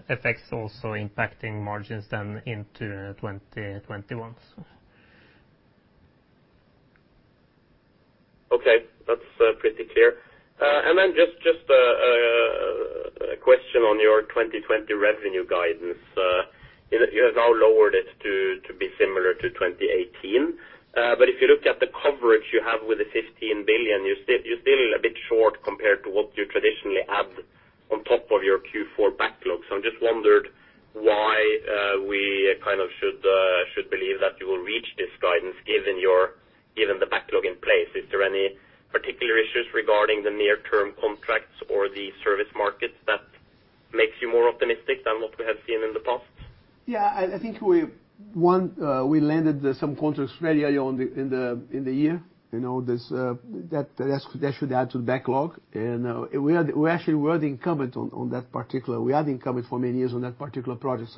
effects also impacting margins then into 2021. Okay. That's pretty clear. Then just a question on your 2020 revenue guidance. You know, you have now lowered it to be similar to 2018. If you look at the coverage you have with the 15 billion, you're still a bit short compared to what you traditionally add on top of your Q4 backlog. I'm just wondered why we kind of should believe that you will reach this guidance given the backlog in place. Is there any particular issues regarding the near term contracts or the service markets that makes you more optimistic than what we have seen in the past? I think we, 1, we landed some contracts very early on the year. You know, this, that should add to the backlog. We are, we actually were the incumbent on that particular. We are the incumbent for many years on that particular project.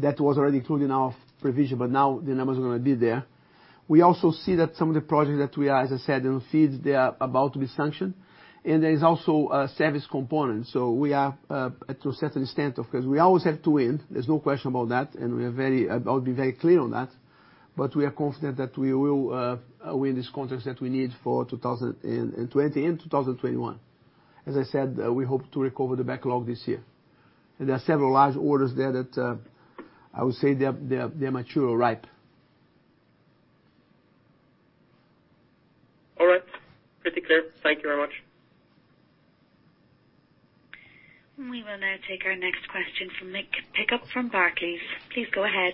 That was already included in our provision, but now the numbers are gonna be there. We also see that some of the projects that we are, as I said, in FEED, they are about to be sanctioned, and there is also a service component. We are, to a certain extent, of course, we always have to win. There's no question about that, and I'll be very clear on that, but we are confident that we will win these contracts that we need for 2020 and 2021. As I said, we hope to recover the backlog this year. There are several large orders there that I would say they're mature or ripe. All right. Pretty clear. Thank you very much. We will now take our next question from Mick Pickup from Barclays. Please go ahead.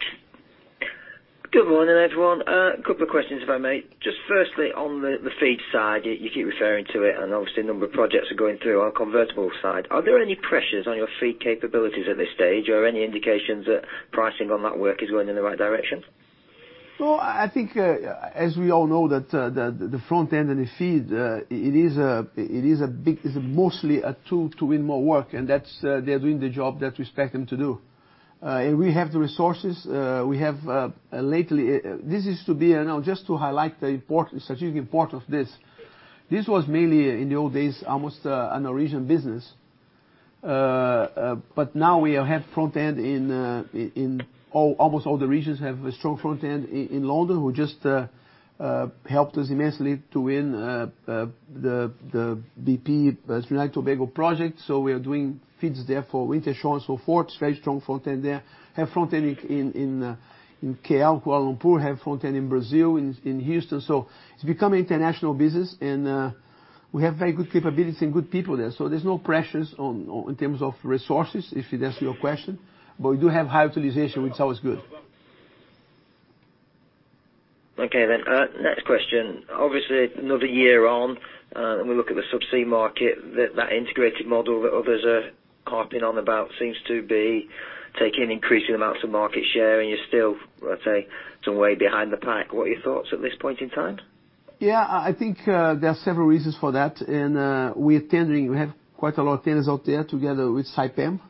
Good morning, everyone. A couple of questions, if I may. Just firstly, on the FEED side, you keep referring to it, and obviously a number of projects are going through on convertible side. Are there any pressures on your FEED capabilities at this stage, or any indications that pricing on that work is going in the right direction? I think, as we all know that, the front end and the FEED, it's mostly a tool to win more work, they are doing the job that we expect them to do. We have the resources. We have, lately, this is to be, you know, just to highlight the importance, strategic importance of this. This was mainly, in the old days, almost, a Norwegian business. Now we have front end in almost all the regions have a strong front end in London, who just helped us immensely to win the BP Trinidad Tobago project. We are doing FEEDs there for Wintershall and so forth. Very strong front end there. Have front end in KL, Kuala Lumpur, have front end in Brazil, in Houston. It's become international business and we have very good capabilities and good people there. There's no pressures on in terms of resources, if you'd ask your question. We do have high utilization, which is always good. Okay. Next question. Obviously, another year on, and we look at the subsea market, that integrated model that others are harping on about seems to be taking increasing amounts of market share, and you're still, I'd say, some way behind the pack. What are your thoughts at this point in time? I think there are several reasons for that. We're tendering, we have quite a lot of tenders out there together with Saipem.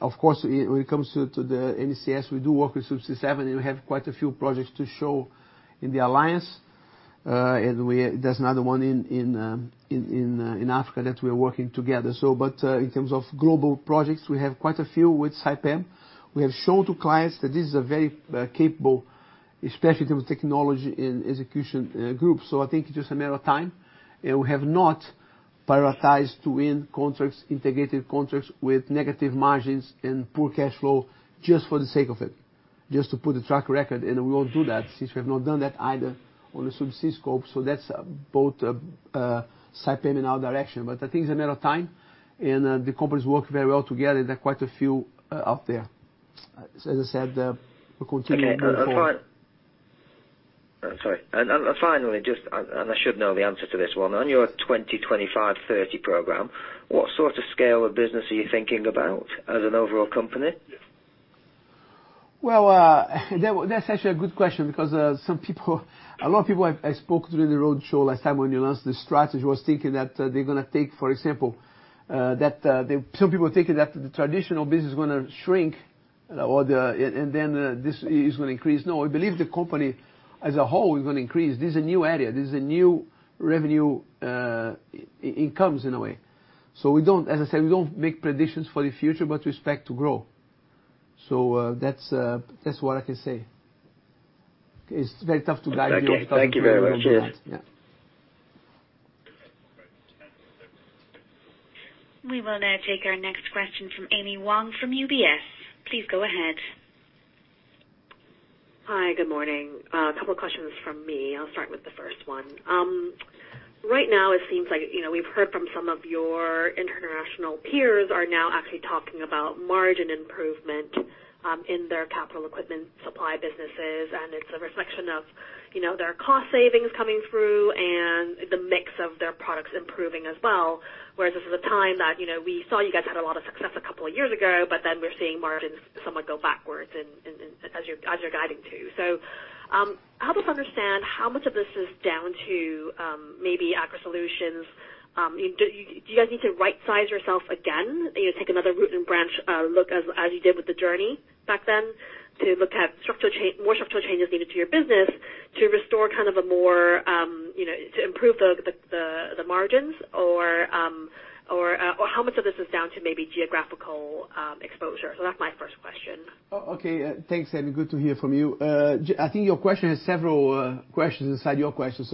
Of course, when it comes to the NCS, we do work with Subsea 7, and we have quite a few projects to show in the alliance. There's another 1 in Africa that we are working together. In terms of global projects, we have quite a few with Saipem. We have shown to clients that this is a very capable, especially in terms of technology and execution, group. I think it's just a matter of time. We have not prioritized to win contracts, integrated contracts with negative margins and poor cash flow just for the sake of it, just to put a track record, and we won't do that since we have not done that either on the subsea scope. That's both Saipem and our direction. I think it's a matter of time, and the companies work very well together. There are quite a few out there. As I said, we're continuing to move forward. Okay. I'm sorry. Finally, just, and I should know the answer to this one. On your 2025 30 program, what sort of scale of business are you thinking about as an overall company? That's actually a good question because some people, a lot of people I spoke to in the road show last time when we announced this strategy was thinking that they're gonna take, for example, that. Some people are thinking that the traditional business is gonna shrink. And then this is going to increase. No, I believe the company as a whole is going to increase. This is a new area. This is a new revenue, incomes in a way. We don't, as I said, we don't make predictions for the future, but we expect to grow. That's what I can say. It's very tough to guide you on something we don't know. Okay. Thank you very much. Cheers. Yeah. We will now take our next question from Amy Wong from UBS. Please go ahead. Hi, good morning. A couple of questions from me. I'll start with the first one. Right now, it seems like, you know, we've heard from some of your international peers are now actually talking about margin improvement in their capital equipment supply businesses. It's a reflection of, you know, their cost savings coming through and the mix of their products improving as well. Whereas this is a time that, you know, we saw you guys had a lot of success a couple of years ago, but then we're seeing margins somewhat go backwards and as you're guiding too. Help us understand how much of this is down to maybe Aker Solutions. Do you guys need to rightsize yourself again? You know, take another root-and-branch look as you did with the journey back then to look at structural change, more structural changes needed to your business to restore kind of a more, you know, to improve the, the margins or how much of this is down to maybe geographical exposure? That's my 1st question. Okay. Thanks, Amy. Good to hear from you. I think your question has several questions inside your question.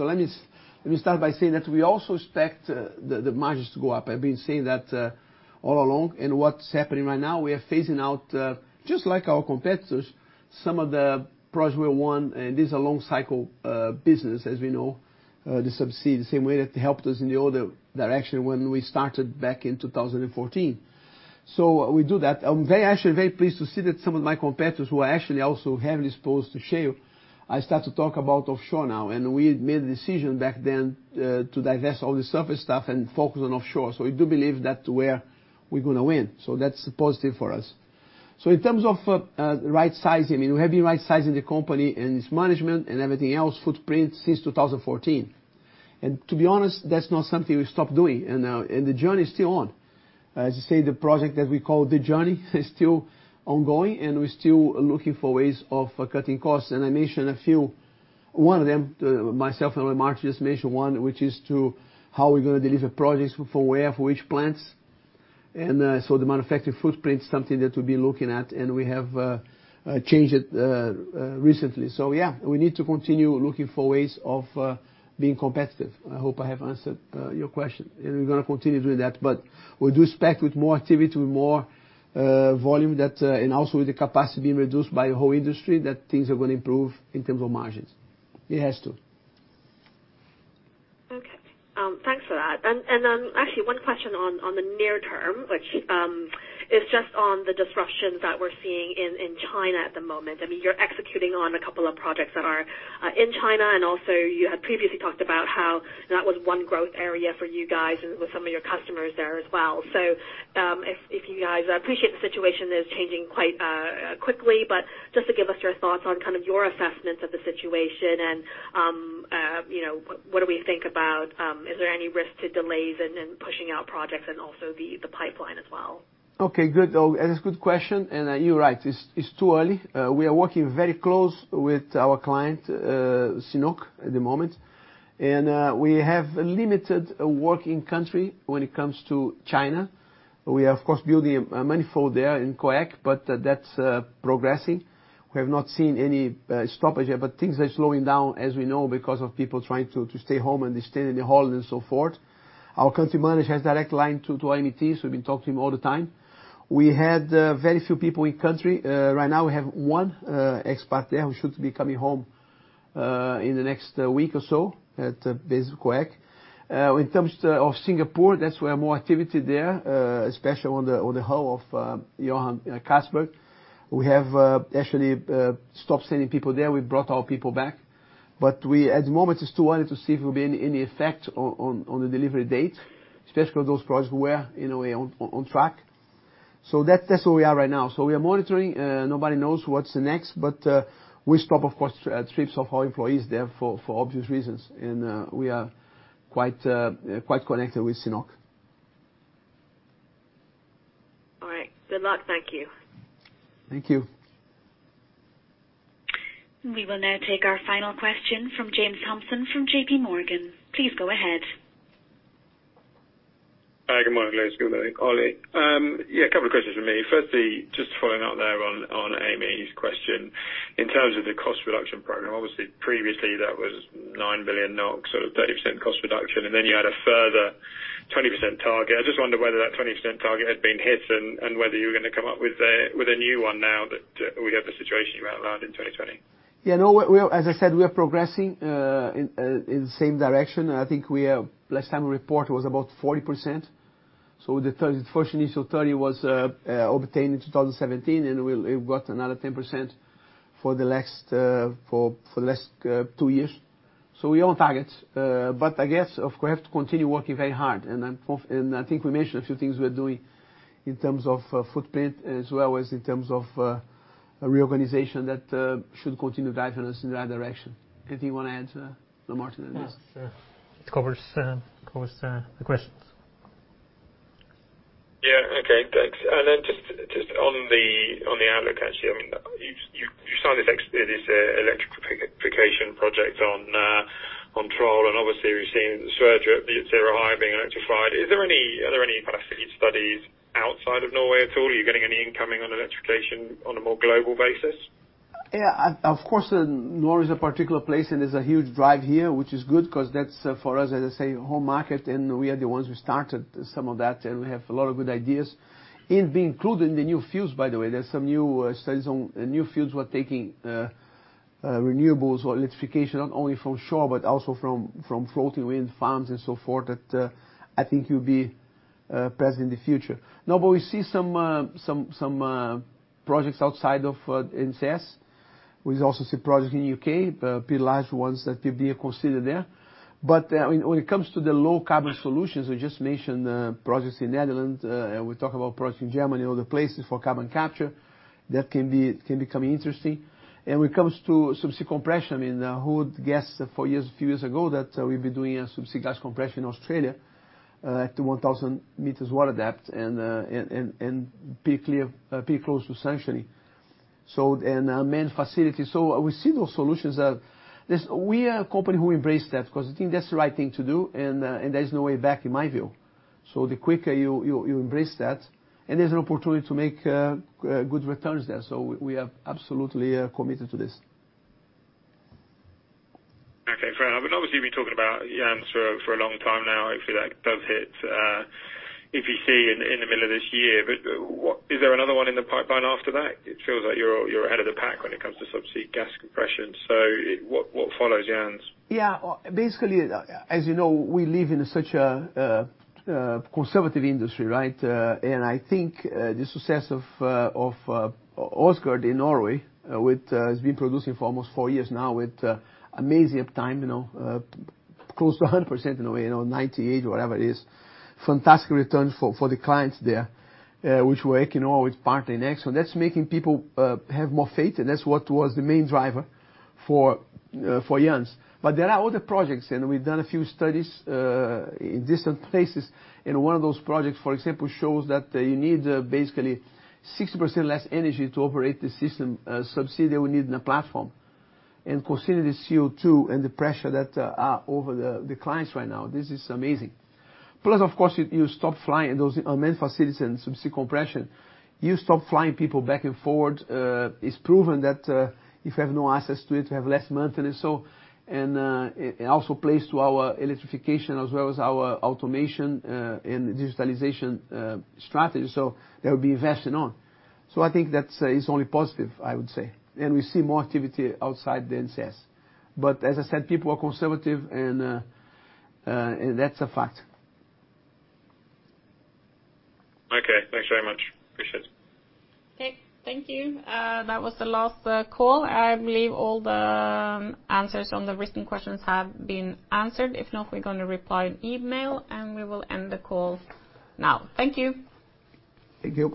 Let me start by saying that we also expect the margins to go up. I've been saying that all along. What's happening right now, we are phasing out, just like our competitors, some of the projects we won. This is a long cycle business, as we know, the Subsea, the same way that helped us in the other direction when we started back in 2014. We do that. I'm actually very pleased to see that some of my competitors who are also heavily exposed to shale, are start to talk about offshore now. We made the decision back then to divest all the surface stuff and focus on offshore. We do believe that where we're gonna win. That's positive for us. In terms of rightsizing, I mean, we have been rightsizing the company and its management and everything else, footprint since 2014. To be honest, that's not something we stopped doing. The Journey is still on. As I said, the project that we call the Journey is still ongoing, and we're still looking for ways of cutting costs. I mentioned a few. One of them, myself and Martin just mentioned 1, which is to how we're gonna deliver projects for where, for which plants. The manufacturing footprint is something that we'll be looking at, and we have changed it recently. We need to continue looking for ways of being competitive. I hope I have answered your question. We're gonna continue doing that. We do expect with more activity, with more volume that and also with the capacity being reduced by a whole industry, that things are gonna improve in terms of margins. It has to. Okay. thanks for that. Then actually 1 question on the near term, which is just on the disruptions that we're seeing in China at the moment. I mean, you're executing on a couple of projects that are in China, and also you had previously talked about how that was 1 growth area for you guys with some of your customers there as well. If you guys appreciate the situation is changing quite quickly, but just to give us your thoughts on kind of your assessments of the situation and, you know, what do we think about, is there any risk to delays and pushing out projects and also the pipeline as well? Okay, good. That is a good question, and you're right. It's, it's too early. We are working very close with our client, CNOOC at the moment. We have limited work in country when it comes to China. We are, of course, building a manifold there in COOEC, but that's progressing. We have not seen any stoppage yet. Things are slowing down, as we know, because of people trying to stay home, and they stay in their home and so forth. Our country manager has direct line to AMTs. We've been talking to him all the time. We had very few people in country. Right now we have 1 expert there who should be coming home in the next week or so at base COOEC. In terms of Singapore, that's where more activity there, especially on the hull of Johan Castberg. We have actually stopped sending people there. We at the moment, it's too early to see if it will be any effect on the delivery date, especially for those projects who were, in a way, on track. That's where we are right now. We are monitoring. Nobody knows what's the next, but we stop, of course, trips of our employees there for obvious reasons. We are quite connected with CNOOC. All right. Good luck. Thank you. Thank you. We will now take our final question from James Thompson from JP Morgan. Please go ahead. Hi. Good morning, Luis. Good morning, Ole. A couple of questions from me. Firstly, just following up there on Amy's question. In terms of the cost reduction program, obviously, previously, that was 9 billion NOK, so 30% cost reduction, and then you had a further 20% target. I just wonder whether that 20% target has been hit and whether you're gonna come up with a new one now that we have the situation you outlined in 2020. We are, as I said, we are progressing in the same direction. I think we are, last time we report was about 40%. The 1st initial 30 was obtained in 2017, and we've got another 10% for the last 2 years. We're on target. I guess, of course, we have to continue working very hard. I think we mentioned a few things we're doing in terms of footprint, as well as in terms of a reorganization that should continue driving us in the right direction. Anything you want to add to that, Martin? Yes. It covers the questions. Okay, thanks. Then just on the outlook actually, I mean, you signed this electrification project on Troll, and obviously we've seen the surge at 0 high being electrified. Are there any kind of feasibility studies outside of Norway at all? Are you getting any incoming on electrification on a more global basis? Of course, Norway is a particular place, and there's a huge drive here, which is good 'cause that's, for us, as I say, home market, and we are the ones who started some of that, and we have a lot of good ideas. It'd be included in the new fields, by the way. There's some new studies on new fields we're taking renewables or electrification, not only from shore, but also from floating wind farms and so forth that I think you'll be present in the future. Now, we see some projects outside of NCS. We also see projects in U.K., pretty large ones that we've been considering there. When it comes to the low carbon solutions, we just mentioned projects in Netherlands, and we talk about projects in Germany or other places for carbon capture that can become interesting. When it comes to subsea compression, I mean, who would guess 4 years, a few years ago that we'd be doing a subsea gas compression in Australia, at 1,000 meters water depth and pretty clear, pretty close to sanctuary. Manned facility. We see those solutions are We are a company who embrace that because I think that's the right thing to do, and there's no way back in my view. The quicker you embrace that, and there's an opportunity to make good returns there. We are absolutely committed to this. Okay, fair enough. Obviously, we've been talking about Jansz for a long time now. Hopefully, that does hit, if you see in the middle of this year. Is there another one in the pipeline after that? It feels like you're ahead of the pack when it comes to subsea gas compression. What follows Jansz? Basically, as you know, we live in such a conservative industry, right? I think the success of Åsgard in Norway with has been producing for almost 4 years now with amazing uptime, you know, close to 100% in a way, you know, 98 or whatever it is. Fantastic return for the clients there, which we're economic partnering ExxonMobil. That's making people have more faith, and that's what was the main driver for Jansz. There are other projects, and we've done a few studies in different places. One of those projects, for example, shows that you need basically 60% less energy to operate the system subsea than we need in a platform. Considering the CO2 and the pressure that are over the clients right now, this is amazing. Plus, of course, you stop flying those unmanned facilities and subsea compression. You stop flying people back and forth. It's proven that if you have no access to it, you have less maintenance. It also plays to our electrification as well as our automation and digitalization strategy. That will be invested on. I think that's is only positive, I would say. We see more activity outside the NCS. As I said, people are conservative, and that's a fact. Okay. Thanks very much. Appreciate it. Okay, thank you. That was the last call. I believe all the answers on the written questions have been answered. If not, we're gonna reply an email, and we will end the call now. Thank you. Thank you.